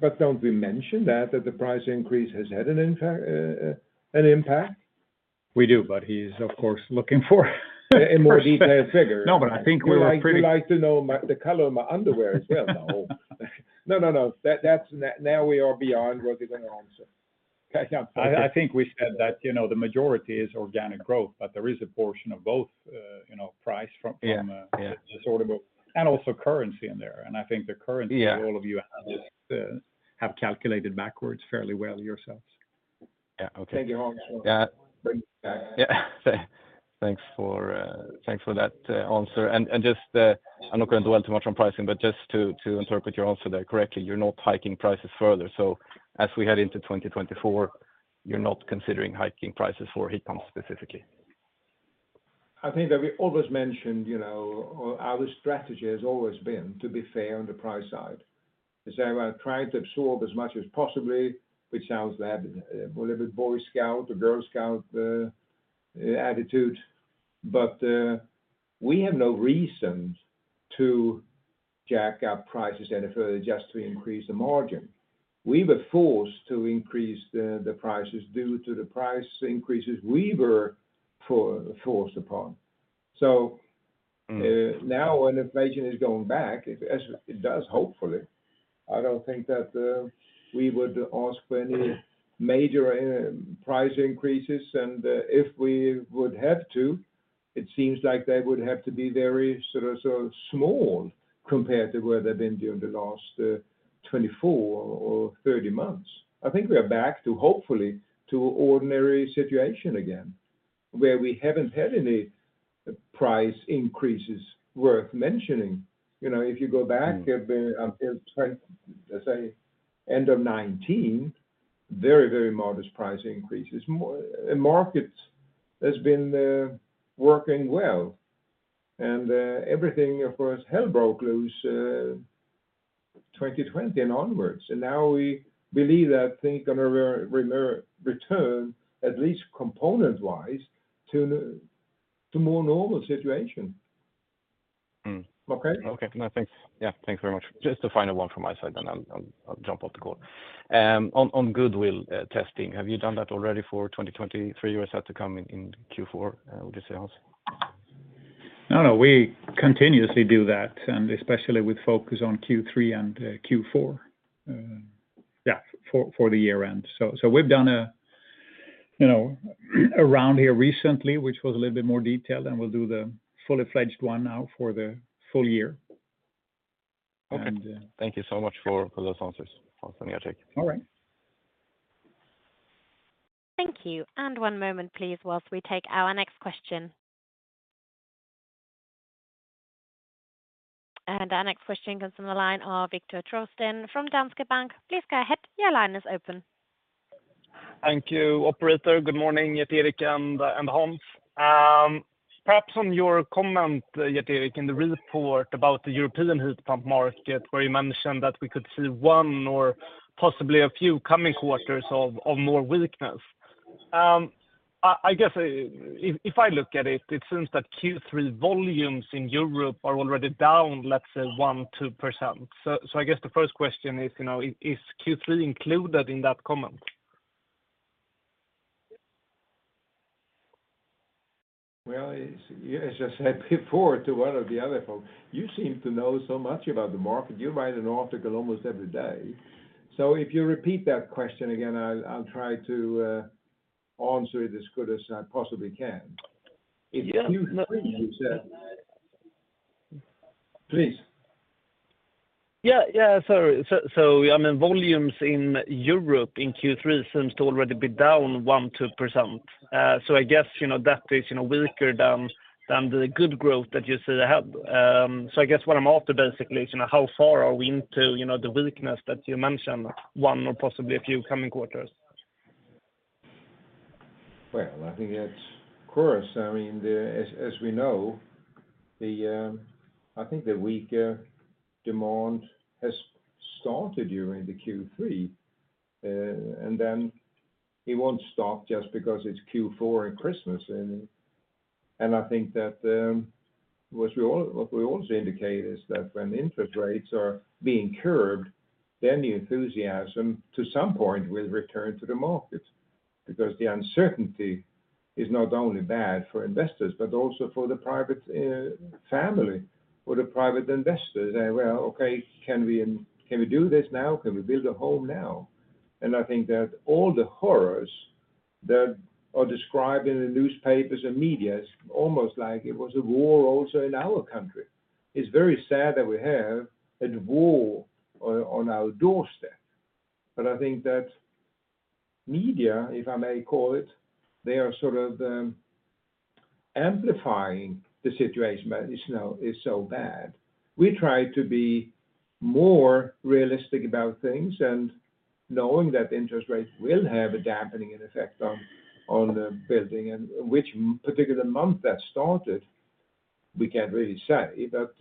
but don't we mention that, that the price increase has had an impact, an impact? We do, but he's of course looking for - A more detailed figure. No, but I think we were pretty- You'd like to know the color of my underwear as well now. No, no, no. That's now beyond what we're gonna answer. I think we said that, you know, the majority is organic growth, but there is a portion of both, you know, price from, Yeah. Sort of, and also currency in there. I think the currency- Yeah.... all of you have calculated backwards fairly well yourselves. Yeah. Okay. Thank you, Hans. Yeah. Yeah. Thanks for that answer. And just, I'm not going to dwell too much on pricing, but just to interpret your answer there correctly, you're not hiking prices further. So as we head into 2024, you're not considering hiking prices for heat pumps specifically? I think that we always mentioned, you know, our strategy has always been to be fair on the price side. As I try to absorb as much as possibly, which sounds bad, a little bit Boy Scout or Girl Scout, attitude, but, we have no reason to jack up prices any further just to increase the margin. We were forced to increase the prices due to the price increases we were forced upon. Mm. Now when inflation is going back, as it does, hopefully, I don't think that we would ask for any major price increases. If we would have to, it seems like they would have to be very sort of small compared to where they've been during the last 24 or 30 months. I think we are back to, hopefully, to ordinary situation again, where we haven't had any price increases worth mentioning. You know, if you go back until, let's say, end of 2019, very, very modest price increases. More, and markets has been working well, and everything, of course, hell broke loose, 2020 and onwards. And now we believe that things are gonna return, at least component-wise, to more normal situation. Mm. Okay? Okay. No, thanks. Yeah, thanks very much. Just the final one from my side, then I'll jump off the call. On goodwill testing, have you done that already for 2023? You just have to come in in Q4, would you say, Hans? No, no, we continuously do that, and especially with focus on Q3 and Q4. Yeah, for the year end. So we've done a, you know, a round here recently, which was a little bit more detailed, and we'll do the fully-fledged one now for the full year. Okay. And, uh- Thank you so much for those answers, Hans and Gerteric. All right. Thank you. One moment, please, while we take our next question. Our next question comes from the line of Viktor Trollsten from Danske Bank. Please go ahead. Your line is open. Thank you, operator. Good morning, Gerteric and Hans. Perhaps on your comment, Gerteric, in the report about the European heat pump market, where you mentioned that we could see one or possibly a few coming quarters of more weakness. I guess, if I look at it, it seems that Q3 volumes in Europe are already down, let's say, 1%-2%. So I guess the first question is, you know, is Q3 included in that comment? Well, as I said before, to one of the other folks, you seem to know so much about the market. You write an article almost every day. So if you repeat that question again, I'll try to answer it as good as I possibly can. Yeah. Q3, you said... Please. Yeah, yeah, sorry. So, so, I mean, volumes in Europe in Q3 seems to already be down 1%-2%. So I guess, you know, that is, you know, weaker than, than the good growth that you still have. So I guess what I'm after basically is, you know, how far are we into, you know, the weakness that you mentioned, one or possibly a few coming quarters? Well, I think it's, of course, I mean, as we know, the weaker demand has started during the Q3, and then it won't stop just because it's Q4 and Christmas. And I think that what we all, what we also indicate is that when interest rates are being curbed, then the enthusiasm, to some point, will return to the market. Because the uncertainty is not only bad for investors, but also for the private family, for the private investors. They, well, okay, can we do this now? Can we build a home now? And I think that all the horrors that are described in the newspapers and media, almost like it was a war also in our country. It's very sad that we have a war on, on our doorstep, but I think that media, if I may call it, they are sort of the, amplifying the situation, but it's now is so bad. We try to be more realistic about things, and knowing that interest rates will have a dampening and effect on, on the building and which particular month that started, we can't really say. But,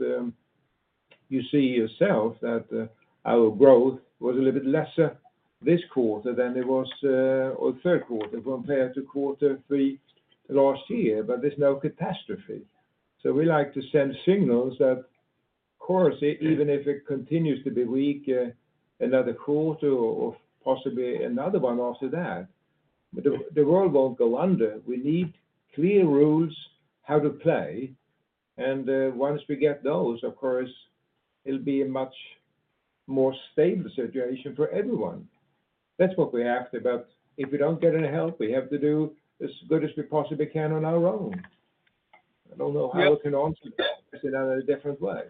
you see yourself that, our growth was a little bit lesser this quarter than it was, or third quarter compared to quarter three last year, but there's no catastrophe. So we like to send signals that, of course, even if it continues to be weak, another quarter or, or possibly another one after that, but the, the world won't go under. We need clear rules, how to play, and once we get those, of course, it'll be a much more stable situation for everyone. That's what we asked about. If we don't get any help, we have to do as good as we possibly can on our own. I don't know how we can answer that in a different way.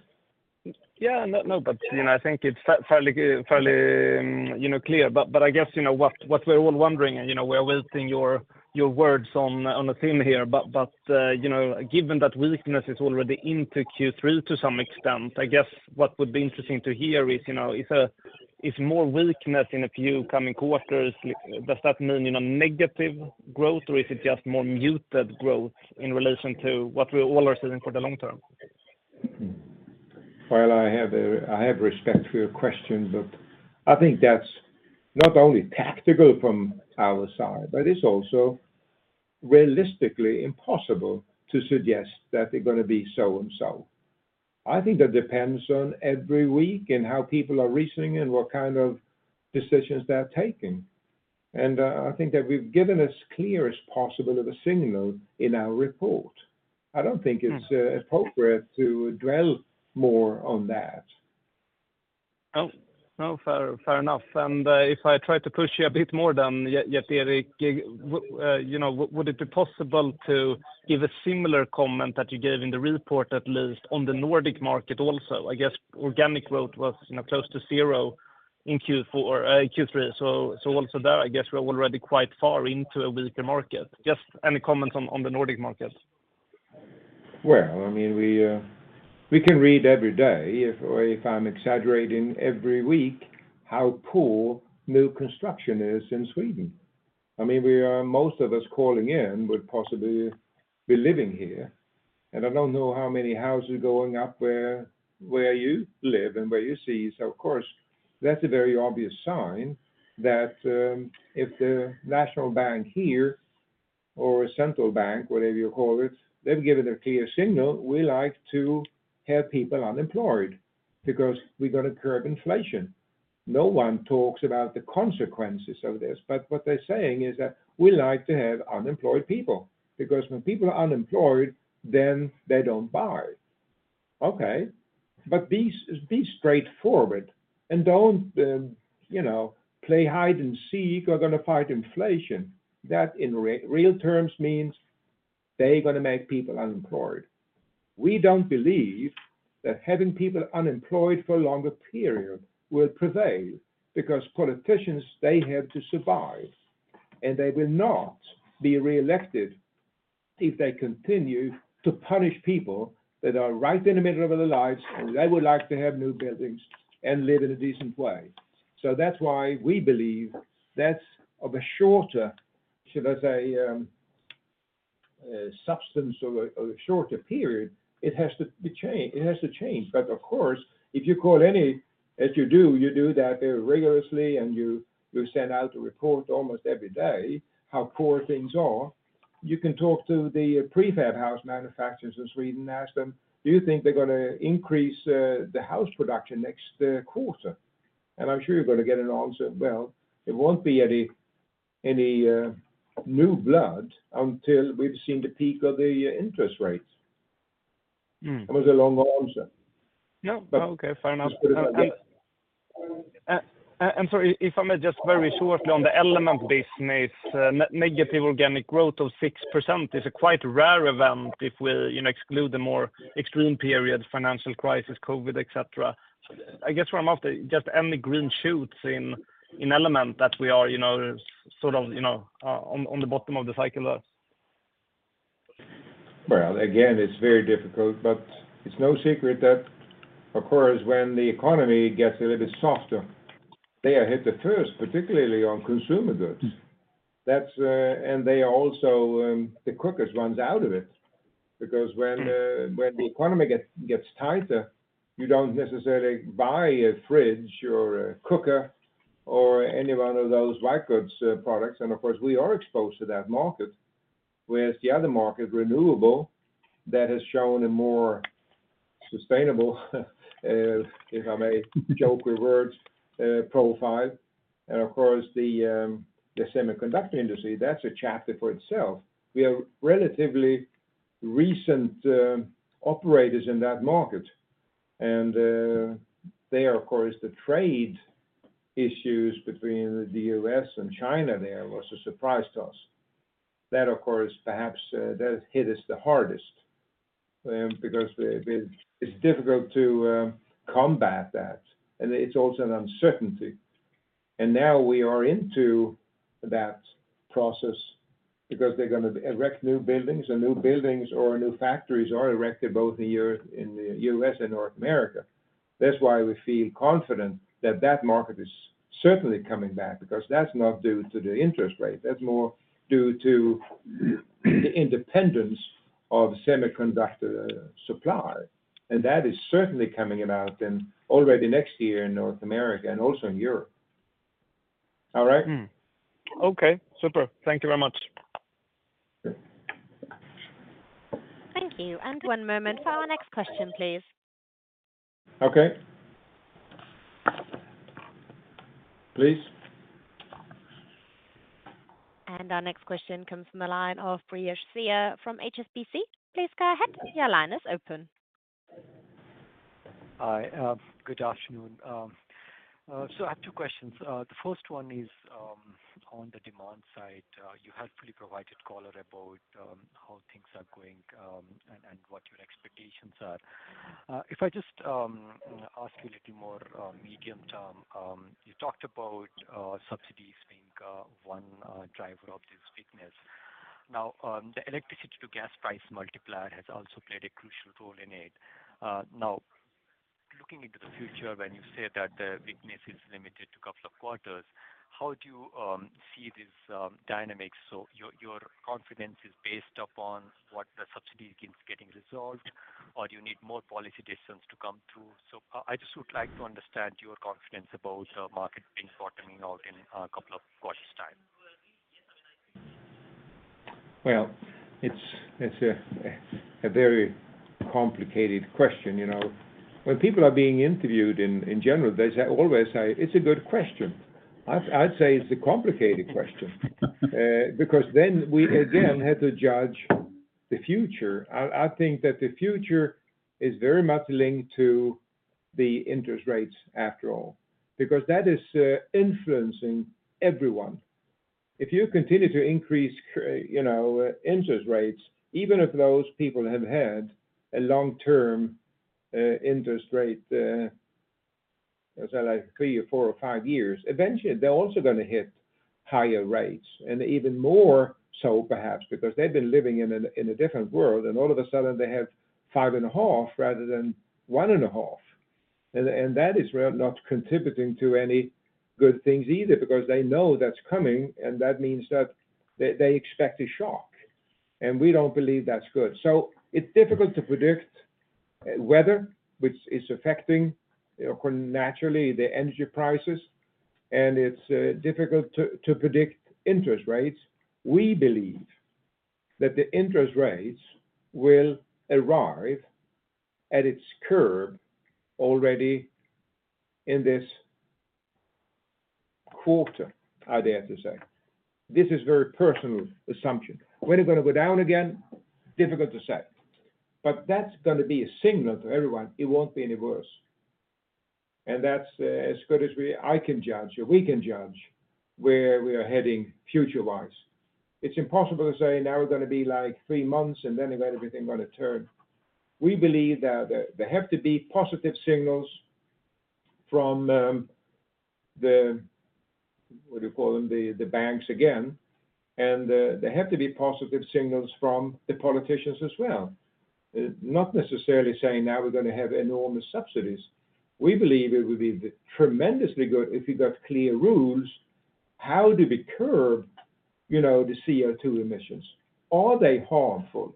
Yeah, no, no, but, you know, I think it's fairly good, fairly, you know, clear. But, but, you know, I guess, you know what, what we're all wondering, and, you know, we're waiting your, your words on, on the team here. But, but, you know, given that weakness is already into Q3 to some extent, I guess what would be interesting to hear is, you know, if, if more weakness in a few coming quarters, does that mean, you know, negative growth, or is it just more muted growth in relation to what we all are seeing for the long term? Well, I have respect for your question, but I think that's not only tactical from our side, but it's also realistically impossible to suggest that they're gonna be so and so. I think that depends on every week and how people are reasoning and what kind of decisions they are taking. And I think that we've given as clear as possible of a signal in our report. I don't think it's appropriate to dwell more on that. Oh, no, fair, fair enough. And, if I try to push you a bit more, then, Gerteric, you know, would it be possible to give a similar comment that you gave in the report, at least on the Nordic market also? I guess organic growth was, you know, close to zero in Q4, Q3. So, also there, I guess we're already quite far into a weaker market. Just any comments on the Nordic market? Well, I mean, we can read every day, or if I'm exaggerating every week, how poor new construction is in Sweden. I mean, most of us calling in would possibly be living here, and I don't know how many houses going up where you live and where you see. So of course, that's a very obvious sign that if the national bank here or central bank, whatever you call it, they've given a clear signal, we like to have people unemployed because we've got to curb inflation. No one talks about the consequences of this, but what they're saying is that we like to have unemployed people, because when people are unemployed, then they don't buy. Okay, but be straightforward and don't, you know, play hide and seek, or gonna fight inflation. That, in real terms, means they're gonna make people unemployed. We don't believe that having people unemployed for a longer period will prevail, because politicians, they have to survive, and they will not be reelected if they continue to punish people that are right in the middle of their lives, and they would like to have new buildings and live in a decent way. So that's why we believe that's of a shorter, should I say, substance or a, or a shorter period, it has to change. It has to change. But of course, if you call any, as you do, you do that very rigorously, and you send out a report almost every day, how poor things are. You can talk to the prefab house manufacturers in Sweden and ask them: Do you think they're gonna increase the house production next quarter? I'm sure you're gonna get an answer. Well, it won't be any new blood until we've seen the peak of the interest rates. Mm. It was a long answer. Yeah. Okay, fair enough. I'm sorry, if I may just very shortly on the element business, negative organic growth of 6% is a quite rare event if we, you know, exclude the more extreme period, financial crisis, COVID, et cetera. I guess what I'm after, just any green shoots in, in element that we are, you know, sort of, you know, on, on the bottom of the cycle there? Well, again, it's very difficult, but it's no secret that, of course, when the economy gets a little bit softer, they are hit the first, particularly on consumer goods. Mm. That's, and they are also, the quickest ones out of it, because when the economy gets tighter, you don't necessarily buy a fridge or a cooker or any one of those white goods products. And of course, we are exposed to that market, whereas the other market, renewable, that has shown a more sustainable, if I may joke with words, profile. And of course, the semiconductor industry, that's a chapter for itself. We are relatively recent operators in that market, and there, of course, the trade issues between the U.S. and China, there was a surprise to us. That, of course, perhaps, that hit us the hardest. Because it, it's difficult to combat that, and it's also an uncertainty. And now we are into that process because they're gonna erect new buildings, and new buildings or new factories are erected both in Europe, in the U.S., and North America. That's why we feel confident that that market is certainly coming back, because that's not due to the interest rate. That's more due to the independence of semiconductor supply, and that is certainly coming out, and already next year in North America and also in Europe. All right? Okay, super. Thank you very much. Thank you, and one moment for our next question, please. Okay. Please. Our next question comes from the line of Brijesh Siya from HSBC. Please go ahead. Your line is open. Hi. Good afternoon. So I have two questions. The first one is on the demand side. You helpfully provided color about how things are going and what your expectations are. If I just ask you a little more medium term. You talked about subsidies being one driver of this weakness. Now, the electricity to gas price multiplier has also played a crucial role in it. Now, looking into the future, when you say that the weakness is limited to a couple of quarters, how do you see this dynamics? So your confidence is based upon what the subsidy is getting resolved, or do you need more policy decisions to come through? I just would like to understand your confidence about the market bottoming out in a couple of quarters time? Well, it's a very complicated question, you know. When people are being interviewed in general, they always say, "It's a good question." I'd say it's a complicated question. Because then we again have to judge the future. I think that the future is very much linked to the interest rates after all, because that is influencing everyone. If you continue to increase, you know, interest rates, even if those people have had a long-term interest rate, let's say like three or four or five years, eventually they're also gonna hit higher rates, and even more so perhaps because they've been living in a different world, and all of a sudden they have 5.5% rather than 1.5%. And that is really not contributing to any good things either, because they know that's coming, and that means that they expect a shock, and we don't believe that's good. So it's difficult to predict weather, which is affecting naturally the energy prices, and it's difficult to predict interest rates. We believe that the interest rates will arrive at its curve already in this quarter, I dare to say. This is very personal assumption. When you're gonna go down again, difficult to say, but that's gonna be a signal to everyone it won't be any worse. And that's as good as I can judge, or we can judge, where we are heading future wise. It's impossible to say now we're gonna be like three months, and then we got everything gonna turn. We believe that there have to be positive signals from the what do you call them? The banks again, and there have to be positive signals from the politicians as well. Not necessarily saying now we're gonna have enormous subsidies. We believe it would be tremendously good if you got clear rules, how do we curb, you know, the CO2 emissions? Are they harmful,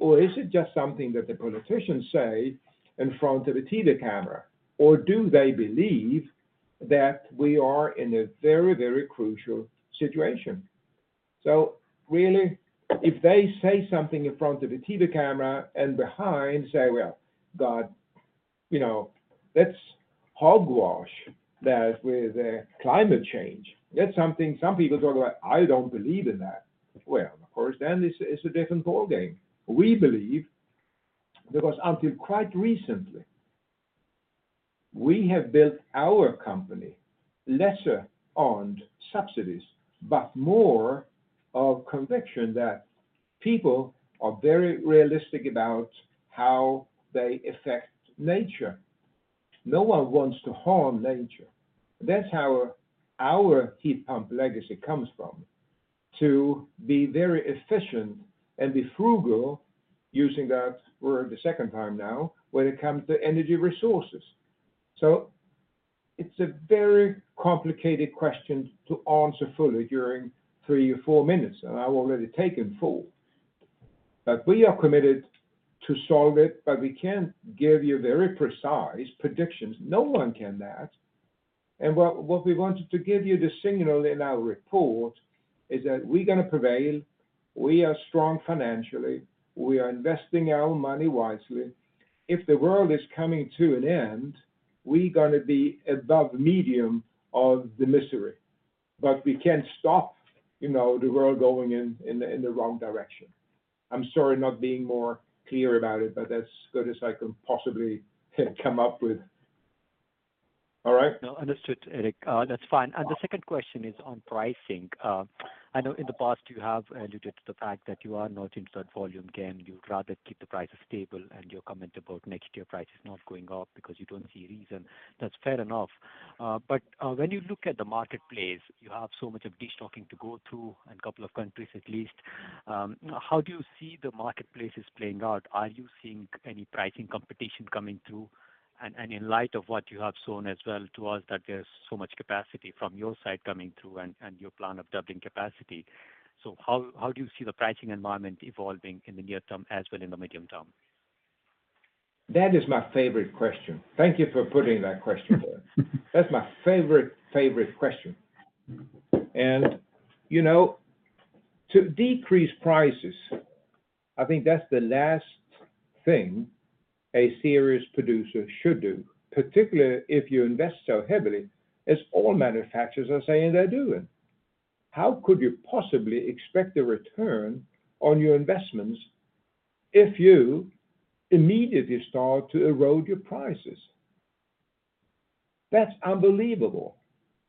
or is it just something that the politicians say in front of a TV camera? Or do they believe that we are in a very, very crucial situation? So really, if they say something in front of a TV camera and behind say, "Well, God, you know, that's hogwash, that with climate change," that's something some people talk about, "I don't believe in that." Well, of course, then it's a different ballgame. We believe, because until quite recently, we have built our company less on subsidies, but more on conviction that people are very realistic about how they affect nature. No one wants to harm nature. That's how our heat pump legacy comes from, to be very efficient and be frugal, using that word a second time now, when it comes to energy resources. So it's a very complicated question to answer fully during three or four minutes, and I've already taken four. But we are committed to solve it, but we can't give you very precise predictions. No one can that. And what, what we wanted to give you the signal in our report is that we're gonna prevail. We are strong financially. We are investing our own money wisely. If the world is coming to an end, we're gonna be above medium of the misery, but we can't stop, you know, the world going in the wrong direction. I'm sorry, not being more clear about it, but that's good as I can possibly come up with. No, understood, Gerteric. That's fine. The second question is on pricing. I know in the past you have alluded to the fact that you are not into that volume game. You'd rather keep the prices stable, and your comment about next year prices not going up because you don't see a reason. That's fair enough. But when you look at the marketplace, you have so much of de-stocking to go through in a couple of countries at least. How do you see the marketplace is playing out? Are you seeing any pricing competition coming through? And in light of what you have shown as well to us, that there's so much capacity from your side coming through and your plan of doubling capacity. How do you see the pricing environment evolving in the near term as well in the medium term? That is my favorite question. Thank you for putting that question there. That's my favorite, favorite question. You know, to decrease prices, I think that's the last thing a serious producer should do, particularly if you invest so heavily, as all manufacturers are saying they're doing. How could you possibly expect a return on your investments if you immediately start to erode your prices? That's unbelievable.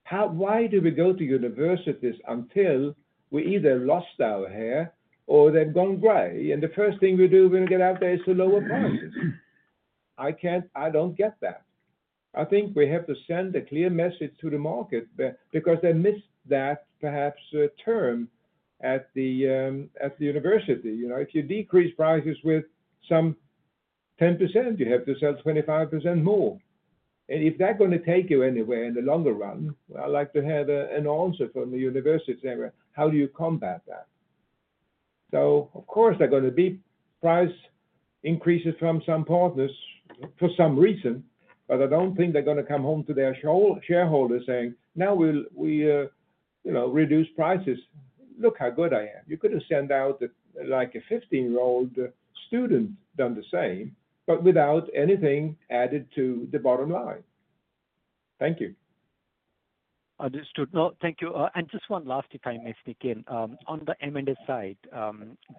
How? Why do we go to universities until we either lost our hair or they've gone gray, and the first thing we do when we get out there is to lower prices? I can't. I don't get that. I think we have to send a clear message to the market, because they missed that perhaps, term at the university. You know, if you decrease prices with some 10%, you have to sell 25% more. If that's gonna take you anywhere in the longer run, I'd like to have an answer from the university saying, "How do you combat that?" So of course, they're gonna be price increases from some partners for some reason, but I don't think they're gonna come home to their shareholders saying, "Now we'll, you know, reduce prices. Look how good I am." You could have sent out like a 15-year-old student done the same, but without anything added to the bottom line. Thank you. Understood. No, thank you. And just one last, if I may sneak in. On the M&A side,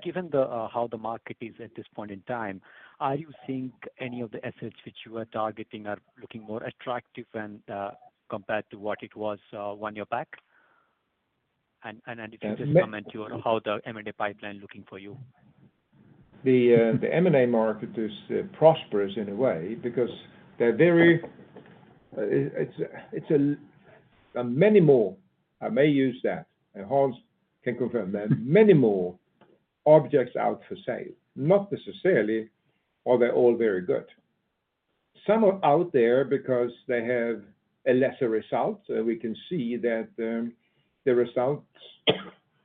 given how the market is at this point in time, are you seeing any of the assets which you are targeting are looking more attractive and compared to what it was one year back? And if you can just comment on how the M&A pipeline looking for you. The M&A market is prosperous in a way, because there are very many more—I may use that—and Hans can confirm that. Many more objects out for sale. Not necessarily are they all very good. Some are out there because they have a lesser result. We can see that the results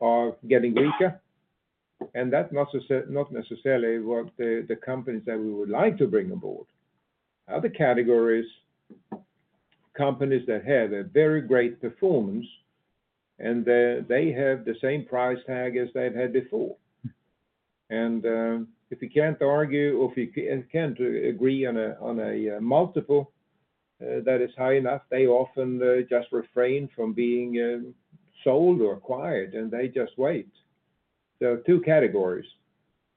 are getting weaker, and that's not necessarily, not necessarily what the companies that we would like to bring on board. Other categories, companies that had a very great performance, and they have the same price tag as they've had before. And if you can't argue, or if you can't agree on a multiple that is high enough, they often just refrain from being sold or acquired, and they just wait. There are two categories,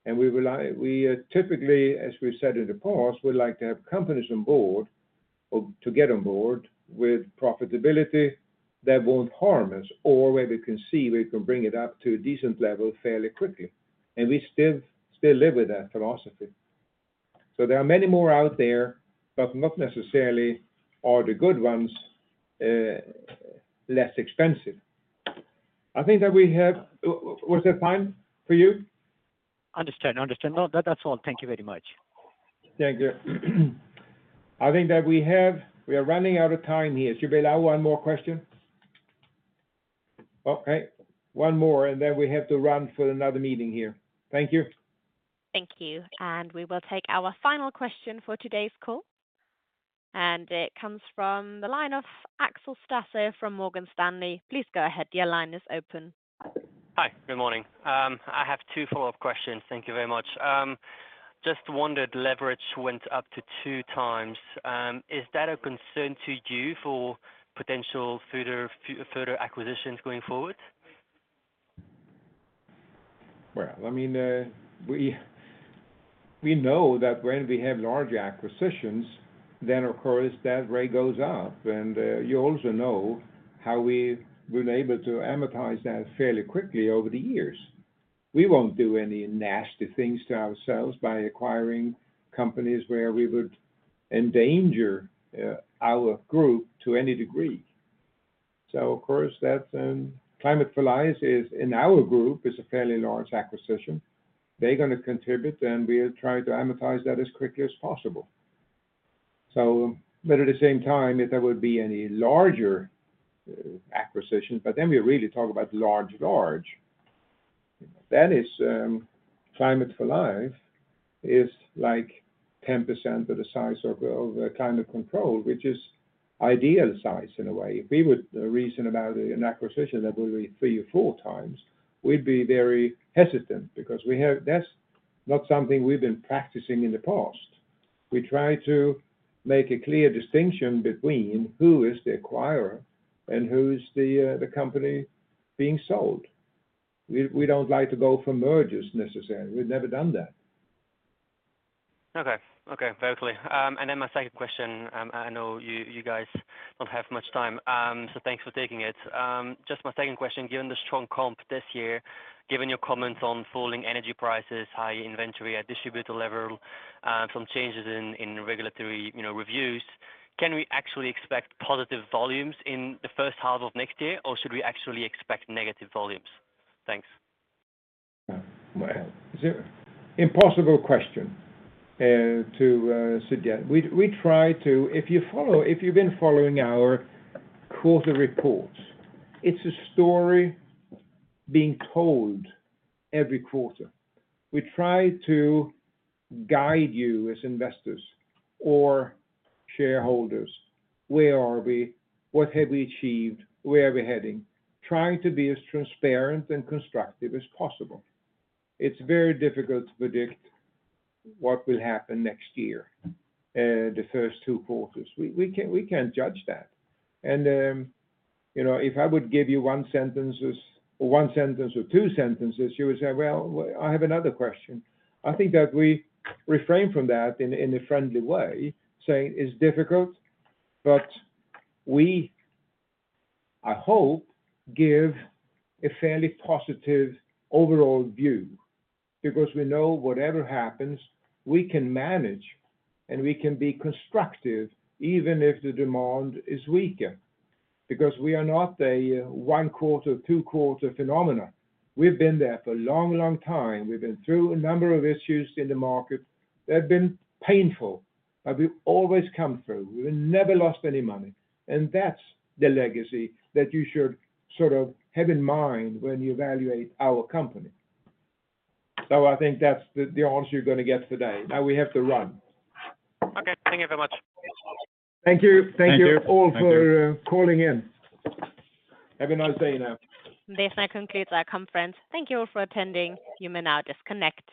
and we would like—we typically, as we've said in the past, we'd like to have companies on board or to get on board with profitability that won't harm us, or where we can see we can bring it up to a decent level fairly quickly. And we still live with that philosophy. So there are many more out there, but not necessarily all the good ones, less expensive. I think that we have... Was there time for you? Understood. Understood. No, that, that's all. Thank you very much. Thank you. I think that we are running out of time here. Should we allow one more question? Okay, one more, and then we have to run for another meeting here. Thank you. Thank you, and we will take our final question for today's call. It comes from the line of Ben Uglow from Morgan Stanley. Please go ahead. Your line is open. Hi, good morning. I have two follow-up questions. Thank you very much. Just wondered, leverage went up to 2x. Is that a concern to you for potential further acquisitions going forward? Well, I mean, we, we know that when we have large acquisitions, then of course, that rate goes up, and, you also know how we've been able to amortize that fairly quickly over the years. We won't do any nasty things to ourselves by acquiring companies where we would endanger, our group to any degree. So of course, that's, Climate for Life is, in our group, is a fairly large acquisition. They're gonna contribute, and we try to amortize that as quickly as possible. So, but at the same time, if there would be any larger, acquisition, but then we really talk about large, large. That is, Climate for Life is like 10% of the size of, Climate Control, which is ideal size in a way. If we would reason about an acquisition that would be three or four times, we'd be very hesitant because we have- that's not something we've been practicing in the past. We try to make a clear distinction between who is the acquirer and who is the, the company being sold. We, we don't like to go for mergers, necessarily. We've never done that. Okay, okay, perfectly. And then my second question, I know you guys don't have much time, so thanks for taking it. Just my second question, given the strong comp this year, given your comments on falling energy prices, high inventory at distributor level, and some changes in in regulatory, you know, reviews, can we actually expect positive volumes in the first half of next year, or should we actually expect negative volumes? Thanks. Well, is it impossible question to suggest? We try to... If you've been following our quarter reports, it's a story being told every quarter. We try to guide you as investors or shareholders, where are we? What have we achieved? Where are we heading? Trying to be as transparent and constructive as possible. It's very difficult to predict what will happen next year, the first two quarters. We can't judge that. And you know, if I would give you one sentences, or one sentence or two sentences, you would say, "Well, I have another question." I think that we refrain from that in a friendly way, saying it's difficult, but we, I hope, give a fairly positive overall view because we know whatever happens, we can manage, and we can be constructive even if the demand is weaker, because we are not a one quarter, two quarter phenomena. We've been there for a long, long time. We've been through a number of issues in the market that have been painful, but we've always come through. We've never lost any money, and that's the legacy that you should sort of have in mind when you evaluate our company. So I think that's the answer you're gonna get today. Now we have to run. Okay. Thank you very much. Thank you. Thank you. Thank you all for calling in. Have a nice day now. This now concludes our conference. Thank you all for attending. You may now disconnect.